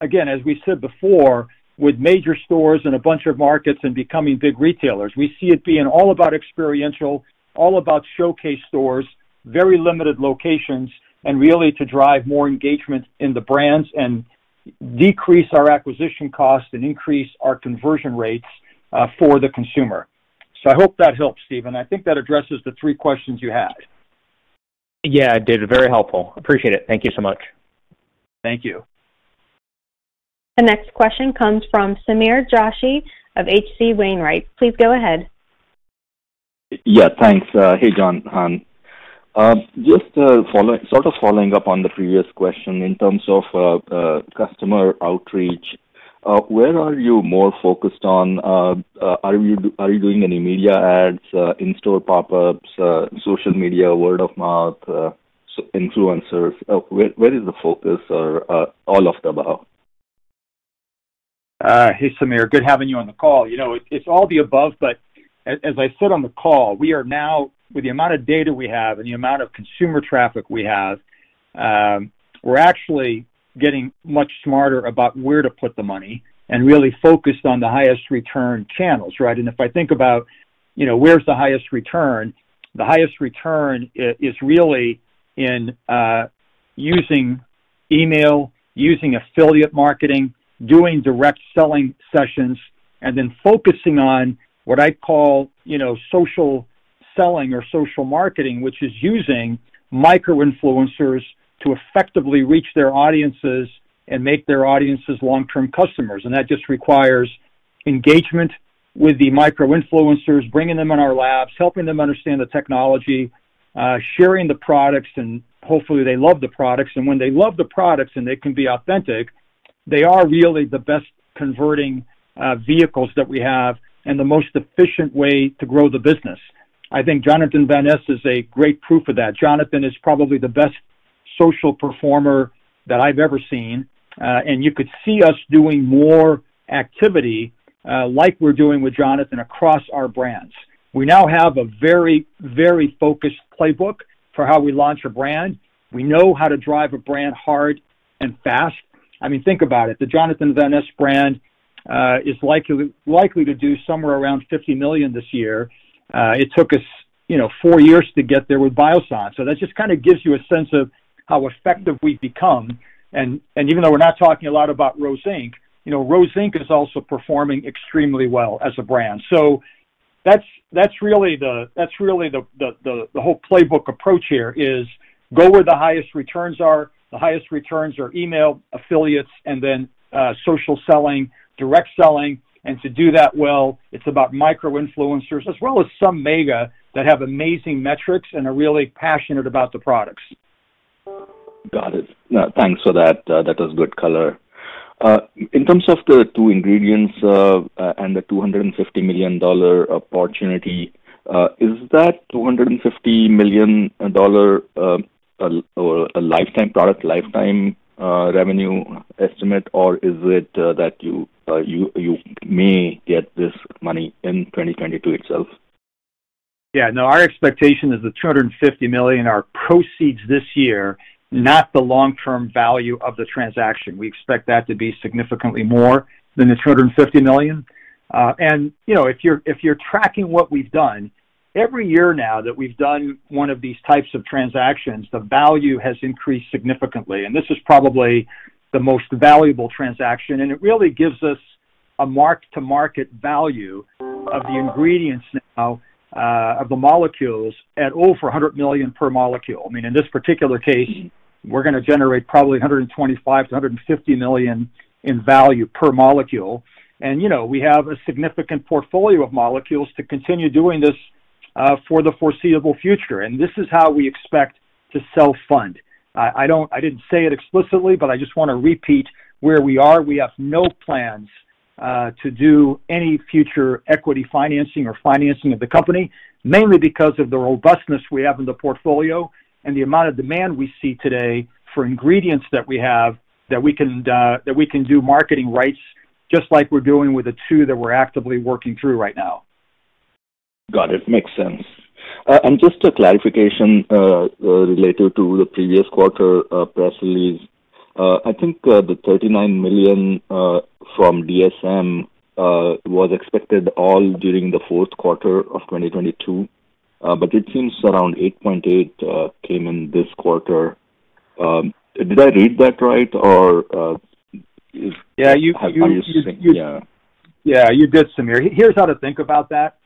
again, as we said before, with major stores in a bunch of markets and becoming big retailers. We see it being all about experiential, all about showcase stores, very limited locations, and really to drive more engagement in the brands and decrease our acquisition costs and increase our conversion rates for the consumer. I hope that helps, Steven. I think that addresses the three questions you had. Yeah, it did. Very helpful. Appreciate it. Thank you so much. Thank you. The next question comes from Sameer Joshi of H.C. Wainwright & Co. Please go ahead. Yeah, thanks. Hey, John. Just, sort of following up on the previous question in terms of customer outreach, where are you more focused on? Are you doing any media ads, in-store pop-ups, social media, word of mouth, influencers? Where is the focus or all of the above? Hey, Samir, good having you on the call. You know, it's all the above, but as I said on the call, we are now with the amount of data we have and the amount of consumer traffic we have, we're actually getting much smarter about where to put the money and really focused on the highest return channels, right? If I think about, you know, where's the highest return? The highest return is really in using email, using affiliate marketing, doing direct selling sessions, and then focusing on what I call, you know, social selling or social marketing, which is using micro-influencers to effectively reach their audiences and make their audiences long-term customers. That just requires engagement with the micro-influencers, bringing them in our labs, helping them understand the technology, sharing the products, and hopefully they love the products. When they love the products and they can be authentic, they are really the best converting vehicles that we have and the most efficient way to grow the business. I think Jonathan Van Ness is a great proof of that. Jonathan is probably the best social performer that I've ever seen. You could see us doing more activity like we're doing with Jonathan across our brands. We now have a very, very focused playbook for how we launch a brand. We know how to drive a brand hard and fast. I mean, think about it. The Jonathan Van Ness brand is likely to do somewhere around $50 million this year. It took us, you know, four years to get there with Biossance. That just kind of gives you a sense of how effective we've become. Even though we're not talking a lot about Rose Inc., you know, Rose Inc. is also performing extremely well as a brand. That's really the whole playbook approach here, is go where the highest returns are. The highest returns are email, affiliates, and then social selling, direct selling. To do that well, it's about micro-influencers as well as some mega that have amazing metrics and are really passionate about the products. Got it. Thanks for that. That was good color. In terms of the two ingredients and the $250 million opportunity, is that $250 million a lifetime product revenue estimate, or is it that you may get this money in 2022 itself? Yeah. No, our expectation is the $250 million are proceeds this year, not the long-term value of the transaction. We expect that to be significantly more than the $250 million. You know, if you're tracking what we've done, every year now that we've done one of these types of transactions, the value has increased significantly. This is probably the most valuable transaction, and it really gives us a mark-to-market value of the ingredients now of the molecules at over $100 million per molecule. I mean, in this particular case, we're going to generate probably $125 million-$150 million in value per molecule. You know, we have a significant portfolio of molecules to continue doing this for the foreseeable future. This is how we expect to self-fund. I didn't say it explicitly, but I just want to repeat where we are. We have no plans to do any future equity financing or financing of the company, mainly because of the robustness we have in the portfolio and the amount of demand we see today for ingredients that we have that we can do marketing rights just like we're doing with the two that we're actively working through right now. Got it. Makes sense. Just a clarification related to the previous quarter press release. I think the $39 million from DSM was expected all during the Q4 of 2022. It seems around $8.8 million came in this quarter. Did I read that right or if-? Yeah. You- Yeah. Yeah, you did, Samir. Here's how to think about that.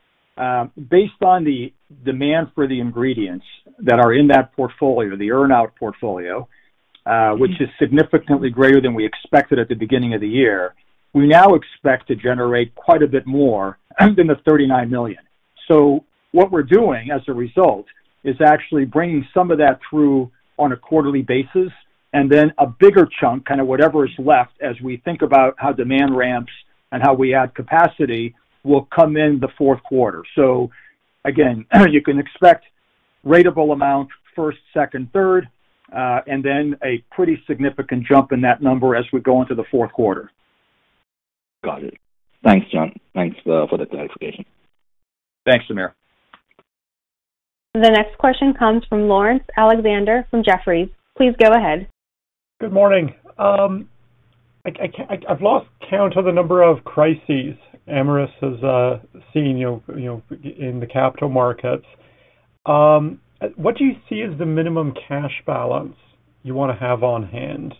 Based on the demand for the ingredients that are in that portfolio, the earn out portfolio, which is significantly greater than we expected at the beginning of the year, we now expect to generate quite a bit more than the $39 million. What we're doing as a result is actually bringing some of that through on a quarterly basis, and then a bigger chunk, kind of whatever is left as we think about how demand ramps and how we add capacity, will come in the Q4. Again, you can expect ratable amount first, second, third, and then a pretty significant jump in that number as we go into the Q4. Got it. Thanks, John. Thanks, for the clarification. Thanks, Sameer. The next question comes from Laurence Alexander from Jefferies. Please go ahead. Good morning. I've lost count of the number of crises Amyris has seen, you know, in the capital markets. What do you see as the minimum cash balance you want to have on hand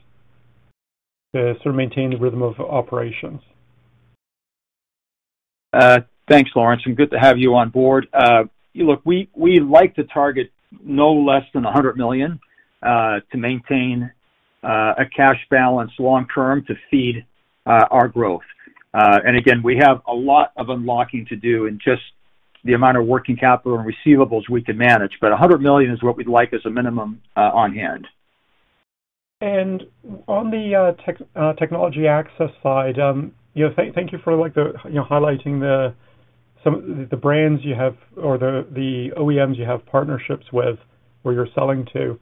to sort of maintain the rhythm of operations? Thanks, Laurence, and good to have you on board. Look, we like to target no less than $100 million to maintain a cash balance long term to feed our growth. Again, we have a lot of unlocking to do in just the amount of working capital and receivables we can manage. $100 million is what we'd like as a minimum on hand. On the technology access side, you know, thank you for, like, you know, highlighting some of the brands you have or the OEMs you have partnerships with or you're selling to.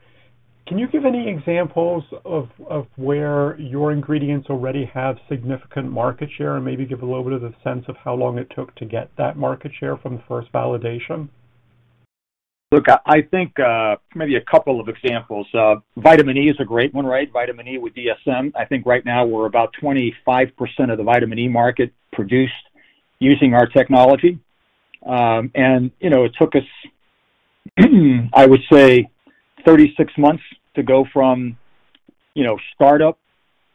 Can you give any examples of where your ingredients already have significant market share and maybe give a little bit of a sense of how long it took to get that market share from the first validation? Look, I think maybe a couple of examples. Vitamin E is a great one, right? Vitamin E with DSM. I think right now we're about 25% of the vitamin E market produced using our technology. You know, it took us, I would say, 36 months to go from, you know, startup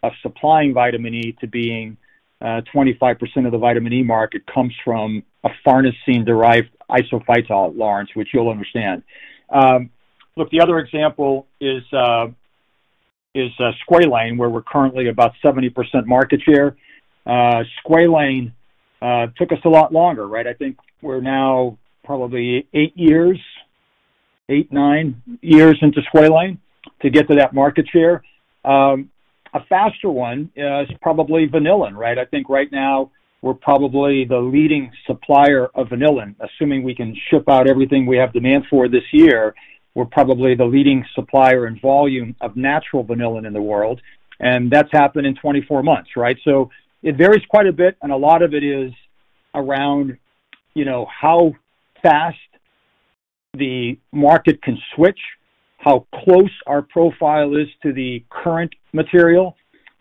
of supplying vitamin E to being 25% of the vitamin E market comes from a farnesene-derived isophytol, Laurence, which you'll understand. Look, the other example is squalane, where we're currently about 70% market share. Squalane took us a lot longer, right? I think we're now probably 8-9 years into squalane to get to that market share. A faster one is probably vanillin, right? I think right now we're probably the leading supplier of vanillin. Assuming we can ship out everything we have demand for this year, we're probably the leading supplier in volume of natural vanillin in the world, and that's happened in 24 months, right? It varies quite a bit, and a lot of it is around, you know, how fast the market can switch, how close our profile is to the current material,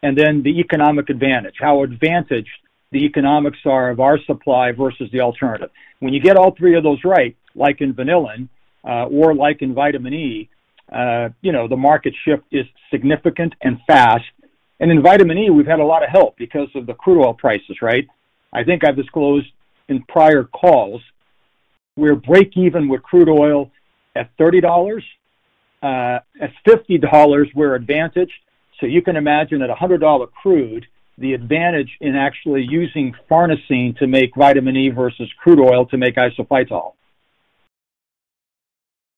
and then the economic advantage, how advantaged the economics are of our supply versus the alternative. When you get all three of those right, like in vanillin, or like in vitamin E, you know, the market shift is significant and fast. In vitamin E, we've had a lot of help because of the crude oil prices, right? I think I've disclosed in prior calls we're break even with crude oil at $30. At $50 we're advantaged. You can imagine at $100 crude, the advantage in actually using farnesene to make vitamin E versus crude oil to make isophytol.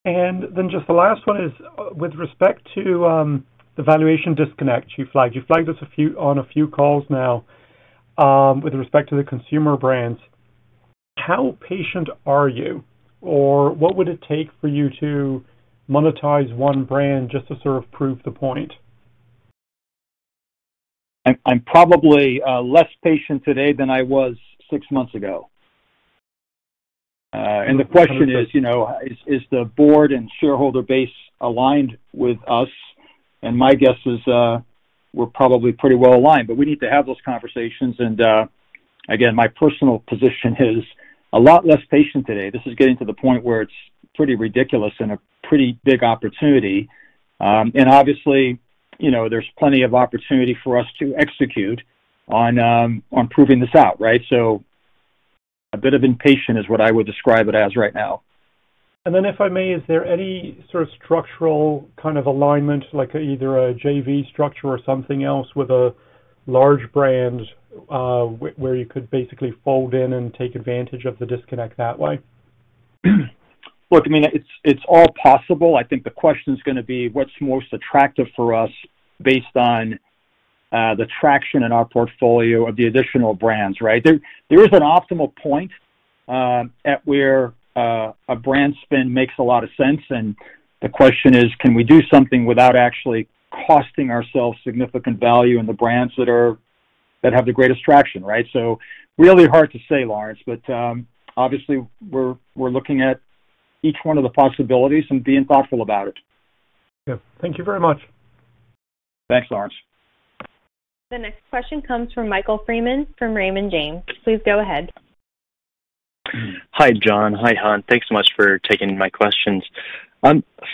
Just the last one is with respect to the valuation disconnect you flagged. You flagged this on a few calls now, with respect to the consumer brands. How patient are you, or what would it take for you to monetize one brand just to sort of prove the point? I'm probably less patient today than I was six months ago. The question is, you know, is the board and shareholder base aligned with us? My guess is, we're probably pretty well aligned, but we need to have those conversations and, again, my personal position is a lot less patient today. This is getting to the point where it's pretty ridiculous and a pretty big opportunity. Obviously, you know, there's plenty of opportunity for us to execute on proving this out, right? A bit of impatient is what I would describe it as right now. If I may, is there any sort of structural kind of alignment, like either a JV structure or something else with a large brand, where you could basically fold in and take advantage of the disconnect that way? Look, I mean, it's all possible. I think the question's gonna be what's most attractive for us based on the traction in our portfolio of the additional brands, right? There is an optimal point at where a brand spin makes a lot of sense, and the question is, can we do something without actually costing ourselves significant value in the brands that have the greatest traction, right? Really hard to say, Laurence. Obviously we're looking at each one of the possibilities and being thoughtful about it. Yeah. Thank you very much. Thanks, Laurence. The next question comes from Michael Freeman from Raymond James. Please go ahead. Hi, John. Hi, Han. Thanks so much for taking my questions.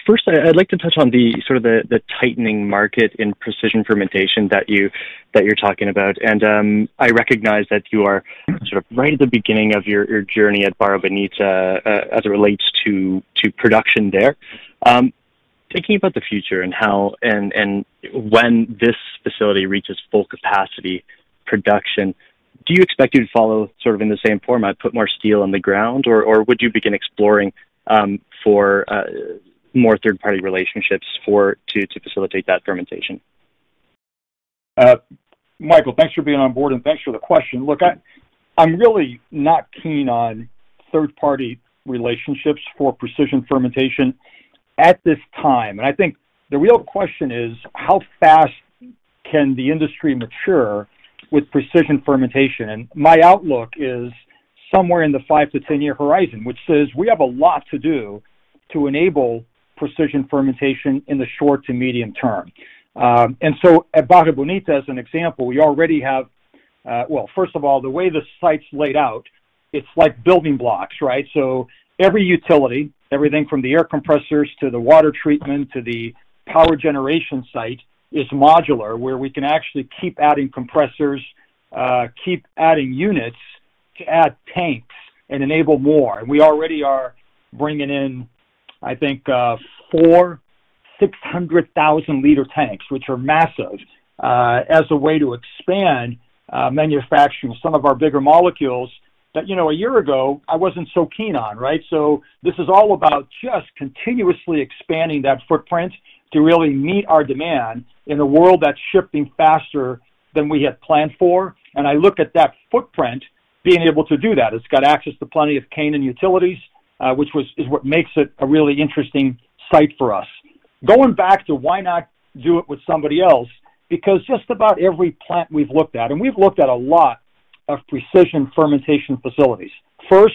First, I'd like to touch on the tightening market in precision fermentation that you're talking about. I recognize that you are sort of right at the beginning of your journey at Barra Bonita, as it relates to production there. Thinking about the future and how and when this facility reaches full capacity production, do you expect to follow sort of in the same format, put more steel on the ground, or would you begin exploring for more third-party relationships to facilitate that fermentation? Michael, thanks for being on board, and thanks for the question. Look, I'm really not keen on third-party relationships for precision fermentation at this time. I think the real question is how fast can the industry mature with precision fermentation? My outlook is somewhere in the 5-10 year horizon, which says we have a lot to do to enable precision fermentation in the short to medium term. At Barra Bonita, as an example, we already have. First of all, the way the site's laid out, it's like building blocks, right? Every utility, everything from the air compressors to the water treatment to the power generation site, is modular, where we can actually keep adding compressors, keep adding units to add tanks and enable more. We already are bringing in, I think, four 600,000-liter tanks, which are massive, as a way to expand manufacturing some of our bigger molecules that, you know, a year ago I wasn't so keen on, right? This is all about just continuously expanding that footprint to really meet our demand in a world that's shifting faster than we had planned for. I look at that footprint being able to do that. It's got access to plenty of cane and utilities, which is what makes it a really interesting site for us. Going back to why not do it with somebody else, because just about every plant we've looked at, and we've looked at a lot of precision fermentation facilities. First,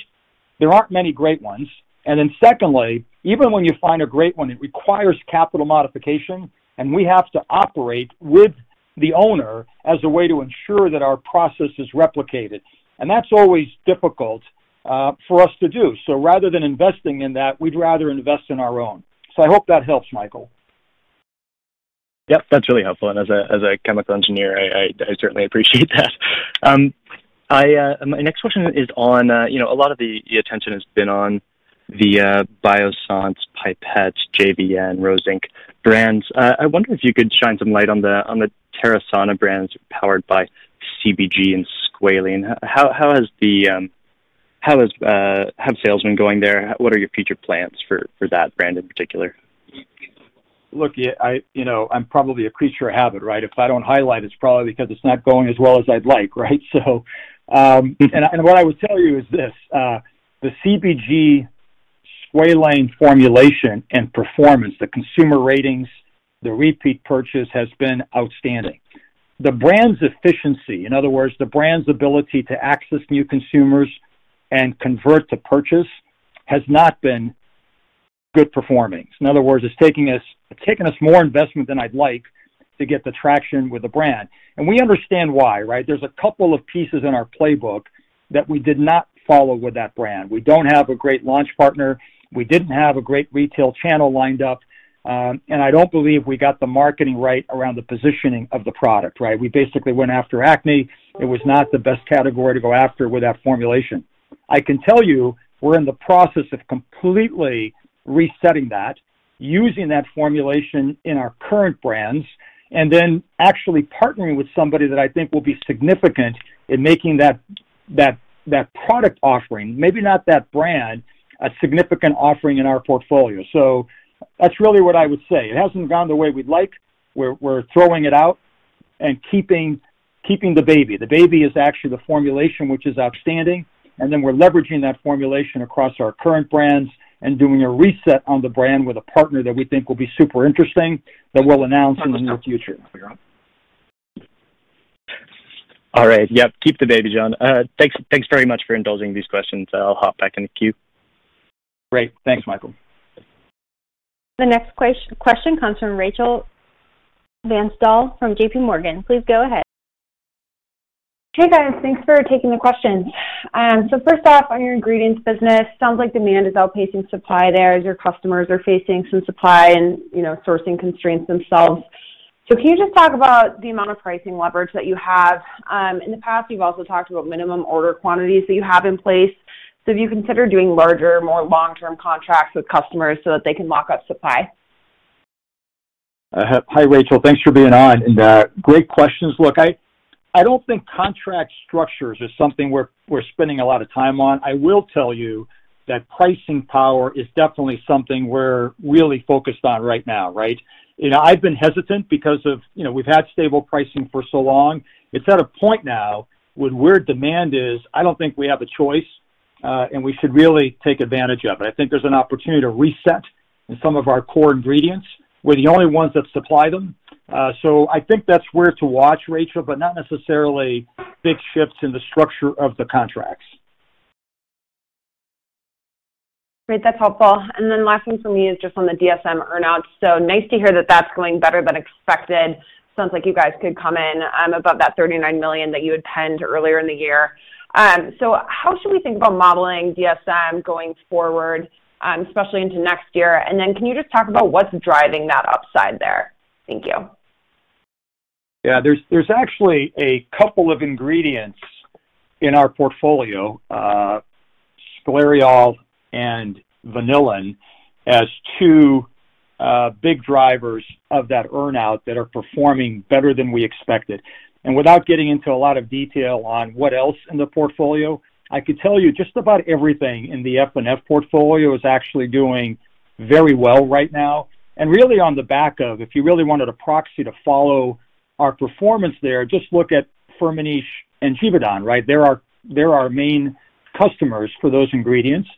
there aren't many great ones. Secondly, even when you find a great one, it requires capital modification, and we have to operate with the owner as a way to ensure that our process is replicated. That's always difficult for us to do. Rather than investing in that, we'd rather invest in our own. I hope that helps, Michael. Yep, that's really helpful. As a chemical engineer, I certainly appreciate that. My next question is on, you know, a lot of the attention has been on the Biossance, Pipette, JVN, Rose Inc. brands. I wonder if you could shine some light on the Terasana brands powered by CBG and squalane. Have sales been going there? What are your future plans for that brand in particular? Look, yeah, I, you know, I'm probably a creature of habit, right? If I don't highlight, it's probably because it's not going as well as I'd like, right? What I would tell you is this, the CBG squalane formulation and performance, the consumer ratings, the repeat purchase has been outstanding. The brand's efficiency, in other words, the brand's ability to access new consumers and convert to purchase has not been good performing. In other words, it's taking us more investment than I'd like to get the traction with the brand. We understand why, right? There's a couple of pieces in our playbook that we did not follow with that brand. We don't have a great launch partner. We didn't have a great retail channel lined up. I don't believe we got the marketing right around the positioning of the product, right? We basically went after acne. It was not the best category to go after with that formulation. I can tell you we're in the process of completely resetting that, using that formulation in our current brands, and then actually partnering with somebody that I think will be significant in making that product offering, maybe not that brand, a significant offering in our portfolio. That's really what I would say. It hasn't gone the way we'd like. We're throwing it out and keeping the baby. The baby is actually the formulation, which is outstanding, and then we're leveraging that formulation across our current brands and doing a reset on the brand with a partner that we think will be super interesting that we'll announce in the near future. All right. Yep. Keep the baby, John. Thanks very much for indulging these questions. I'll hop back in the queue. Great. Thanks, Michael. The next question comes from Rachel Vatnsdal from JPMorgan. Please go ahead. Hey, guys. Thanks for taking the questions. First off, on your ingredients business, sounds like demand is outpacing supply there as your customers are facing some supply and, you know, sourcing constraints themselves. Can you just talk about the amount of pricing leverage that you have? In the past, you've also talked about minimum order quantities that you have in place. Do you consider doing larger, more long-term contracts with customers so that they can lock up supply? Hi, Rachel. Thanks for being on. Great questions. Look, I don't think contract structures is something we're spending a lot of time on. I will tell you that pricing power is definitely something we're really focused on right now, right? You know, I've been hesitant because of, you know, we've had stable pricing for so long. It's at a point now with where demand is, I don't think we have a choice, and we should really take advantage of it. I think there's an opportunity to reset in some of our core ingredients. We're the only ones that supply them. I think that's where to watch, Rachel, but not necessarily big shifts in the structure of the contracts. Great. That's helpful. Last one from me is just on the DSM earn-out. Nice to hear that that's going better than expected. Sounds like you guys could come in above that $39 million that you had penned earlier in the year. How should we think about modeling DSM going forward, especially into next year? Can you just talk about what's driving that upside there? Thank you. Yeah. There's actually a couple of ingredients in our portfolio, Sclareol and Vanillin, as two big drivers of that earn-out that are performing better than we expected. Without getting into a lot of detail on what else in the portfolio, I could tell you just about everything in the F&F portfolio is actually doing very well right now. Really on the back of, if you really wanted a proxy to follow our performance there, just look at Firmenich and Givaudan, right? They're our main customers for those ingredients.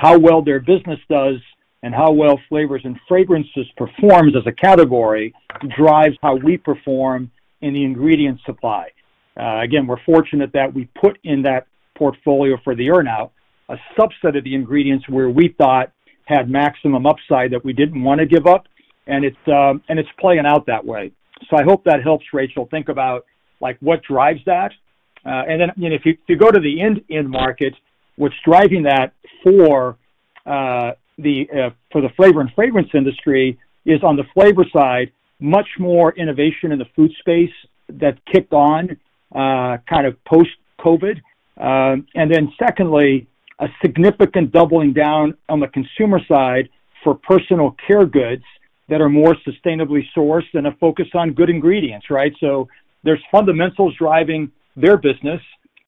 How well their business does and how well flavors and fragrances performs as a category drives how we perform in the ingredient supply. Again, we're fortunate that we put in that portfolio for the earn-out a subset of the ingredients where we thought had maximum upside that we didn't wanna give up, and it's playing out that way. I hope that helps, Rachel, think about, like, what drives that. You know, if you go to the end market, what's driving that for the flavor and fragrance industry is on the flavor side, much more innovation in the food space that kicked on kind of post-COVID. Secondly, a significant doubling down on the consumer side for personal care goods that are more sustainably sourced and a focus on good ingredients, right? There's fundamentals driving their business,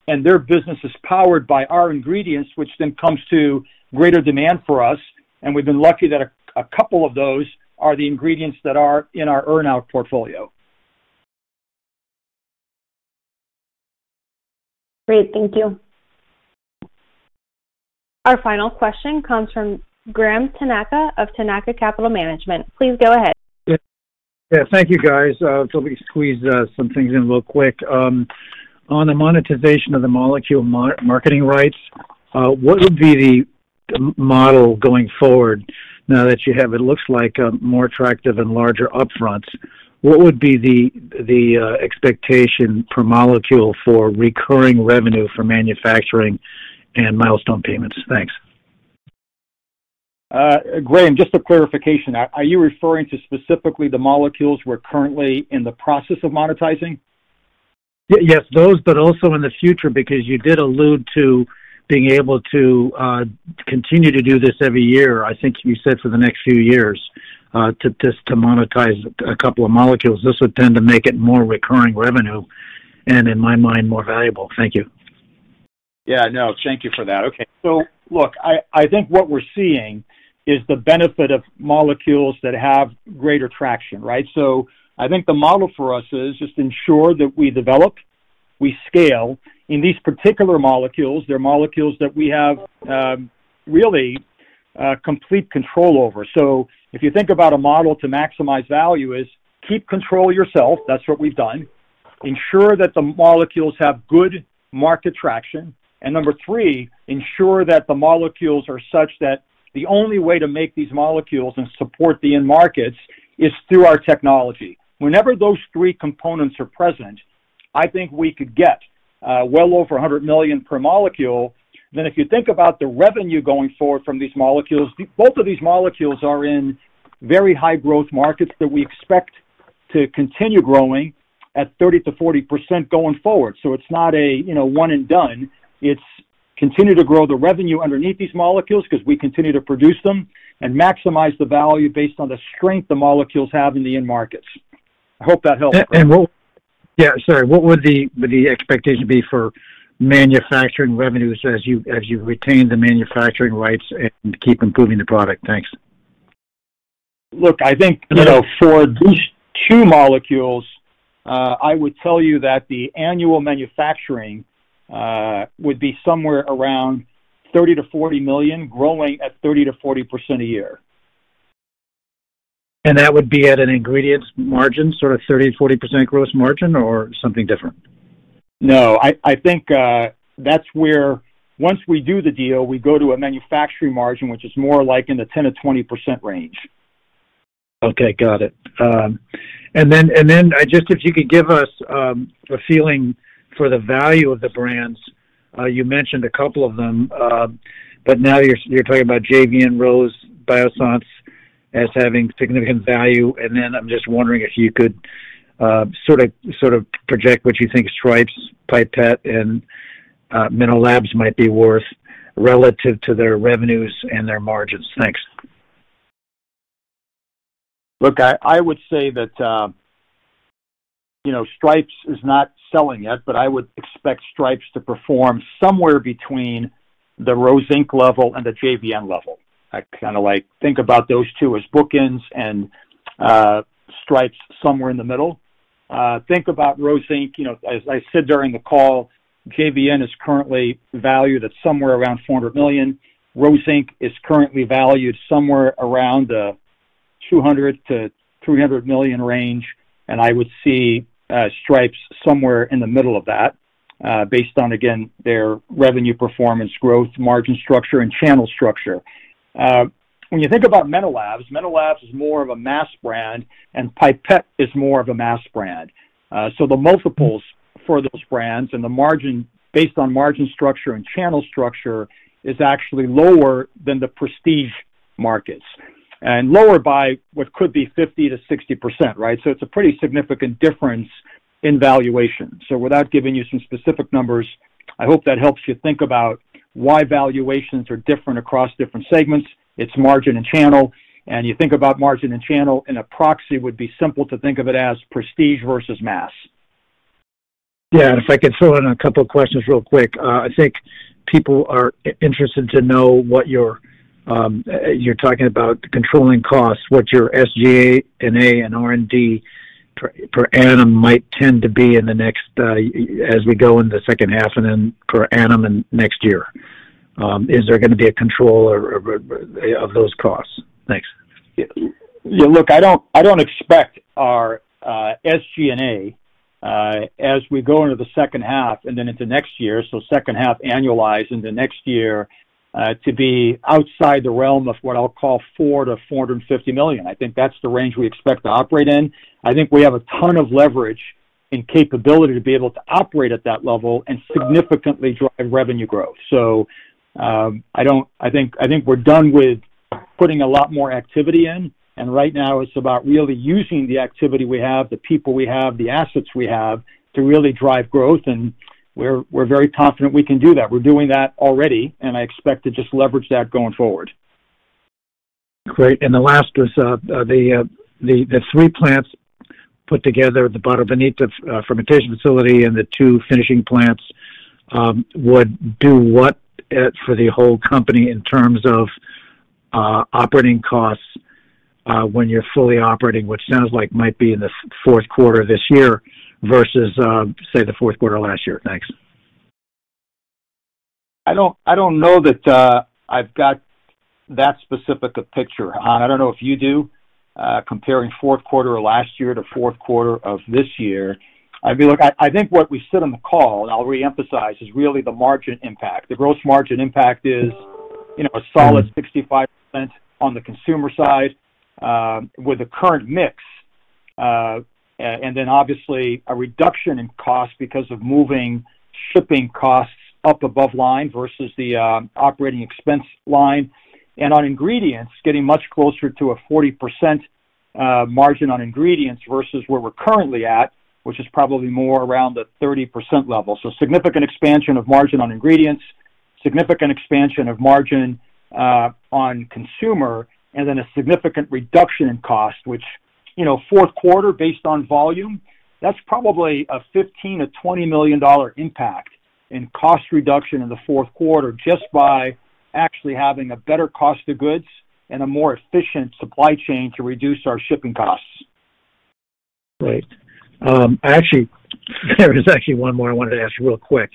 and their business is powered by our ingredients, which then comes to greater demand for us, and we've been lucky that a couple of those are the ingredients that are in our earn-out portfolio. Great. Thank you. Our final question comes from Graham Tanaka of Tanaka Capital Management. Please go ahead. Yeah. Thank you, guys. Let me squeeze some things in real quick. On the monetization of the molecule marketing rights, what would be the model going forward now that you have, it looks like, more attractive and larger upfronts? What would be the expectation per molecule for recurring revenue for manufacturing and milestone payments? Thanks. Graham, just a clarification. Are you referring to specifically the molecules we're currently in the process of monetizing? Yes, those, but also in the future, because you did allude to being able to continue to do this every year. I think you said for the next few years to just to monetize a couple of molecules. This would tend to make it more recurring revenue and, in my mind, more valuable. Thank you. Yeah. No, thank you for that. Okay. Look, I think what we're seeing is the benefit of molecules that have greater traction, right? I think the model for us is just ensure that we develop, we scale. In these particular molecules, they're molecules that we have really complete control over. If you think about a model to maximize value is keep control yourself. That's what we've done. Ensure that the molecules have good market traction. Number three, ensure that the molecules are such that the only way to make these molecules and support the end markets is through our technology. Whenever those three components are present, I think we could get well over $100 million per molecule. If you think about the revenue going forward from these molecules, both of these molecules are in very high growth markets that we expect to continue growing at 30%-40% going forward. It's not a, you know, one and done. It's continue to grow the revenue underneath these molecules because we continue to produce them and maximize the value based on the strength the molecules have in the end markets. I hope that helps. What would the expectation be for manufacturing revenues as you retain the manufacturing rights and keep improving the product? Thanks. Look, I think, you know, for these two molecules, I would tell you that the annual manufacturing would be somewhere around $30-$40 million, growing at 30%-40% a year. That would be at an ingredients margin, sort of 30%-40% gross margin or something different? No, I think that's where once we do the deal, we go to a manufacturing margin, which is more like in the 10%-20% range. Okay, got it. And then just if you could give us a feeling for the value of the brands. You mentioned a couple of them, but now you're talking about JVN, Rose Inc., Biossance as having significant value. I'm just wondering if you could sort of project what you think Stripes, Pipette, and MenoLabs might be worth relative to their revenues and their margins. Thanks. Look, I would say that, you know, Stripes is not selling yet, but I would expect Stripes to perform somewhere between the Rose Inc. level and the JVN level. I kinda like think about those two as bookends and, Stripes somewhere in the middle. Think about Rose Inc., you know, as I said during the call, JVN is currently valued at somewhere around $400 million. Rose Inc. is currently valued somewhere around $200-$300 million range, and I would see Stripes somewhere in the middle of that, based on, again, their revenue performance, growth, margin structure and channel structure. When you think about MenoLabs is more of a mass brand, and Pipette is more of a mass brand. The multiples for those brands and the margin based on margin structure and channel structure is actually lower than the prestige markets. Lower by what could be 50%-60%, right? It's a pretty significant difference in valuation. Without giving you some specific numbers, I hope that helps you think about why valuations are different across different segments. It's margin and channel, and you think about margin and channel, and a proxy would be simple to think of it as prestige versus mass. Yeah. If I could throw in a couple of questions real quick. I think people are interested to know what you're talking about controlling costs, what your SG&A and R&D per annum might tend to be in the next, as we go in the H2 and then per annum in next year. Is there gonna be a control of those costs? Thanks. Yeah, look, I don't expect our SG&A as we go into the H2 and then into next year, so H2 annualized into next year, to be outside the realm of what I'll call $400 million-$450 million. I think that's the range we expect to operate in. I think we have a ton of leverage and capability to be able to operate at that level and significantly drive revenue growth. I think we're done with putting a lot more activity in, and right now it's about really using the activity we have, the people we have, the assets we have to really drive growth, and we're very confident we can do that. We're doing that already, and I expect to just leverage that going forward. Great. The last was the three plants put together, the Barra Bonita fermentation facility and the two finishing plants would do what for the whole company in terms of operating costs when you're fully operating, which sounds like might be in the Q4 of this year versus say the Q4 of last year. Thanks. I don't know that I've got that specific a picture. I don't know if you do, comparing Q4 of last year to Q4 of this year. I mean, look, I think what we said on the call, and I'll reemphasize, is really the margin impact. The gross margin impact is, you know, a solid $0.65 on the consumer side, with the current mix, and then obviously a reduction in cost because of moving shipping costs up above line versus the operating expense line. On ingredients, getting much closer to a 40% margin on ingredients versus where we're currently at, which is probably more around the 30% level. Significant expansion of margin on ingredients, significant expansion of margin on consumer, and then a significant reduction in cost, which, you know, Q4, based on volume, that's probably a $15 million-$20 million impact in cost reduction in the Q4 just by actually having a better cost of goods and a more efficient supply chain to reduce our shipping costs. Great. Actually, there is actually one more I wanted to ask you real quick.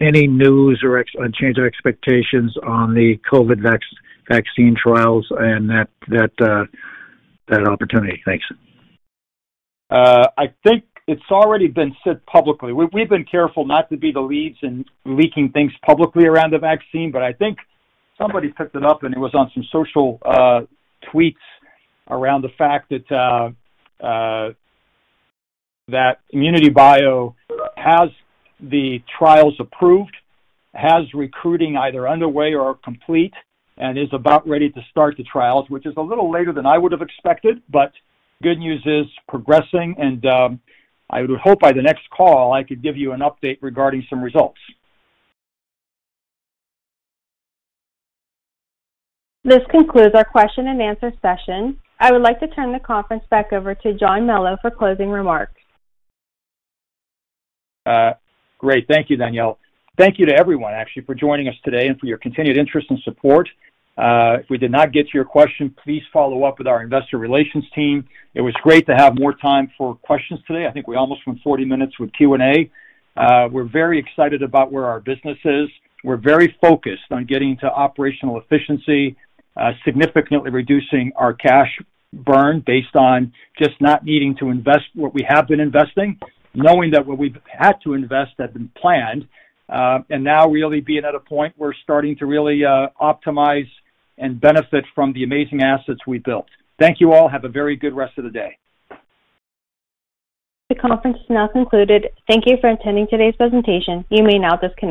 Any news on change of expectations on the COVID vaccine trials and that opportunity? Thanks. I think it's already been said publicly. We've been careful not to be the leads in leaking things publicly around the vaccine, but I think somebody picked it up, and it was on some social tweets around the fact that ImmunityBio has the trials approved, has recruiting either underway or complete, and is about ready to start the trials, which is a little later than I would have expected, but good news is progressing, and I would hope by the next call, I could give you an update regarding some results. This concludes our question and answer session. I would like to turn the conference back over to John Melo for closing remarks. Thank you, Danielle. Thank you to everyone, actually, for joining us today and for your continued interest and support. If we did not get to your question, please follow up with our investor relations team. It was great to have more time for questions today. I think we almost went 40 minutes with Q&A. We're very excited about where our business is. We're very focused on getting to operational efficiency, significantly reducing our cash burn based on just not needing to invest what we have been investing, knowing that what we've had to invest had been planned, and now really being at a point we're starting to really optimize and benefit from the amazing assets we built. Thank you all. Have a very good rest of the day. The conference is now concluded. Thank you for attending today's presentation. You may now disconnect.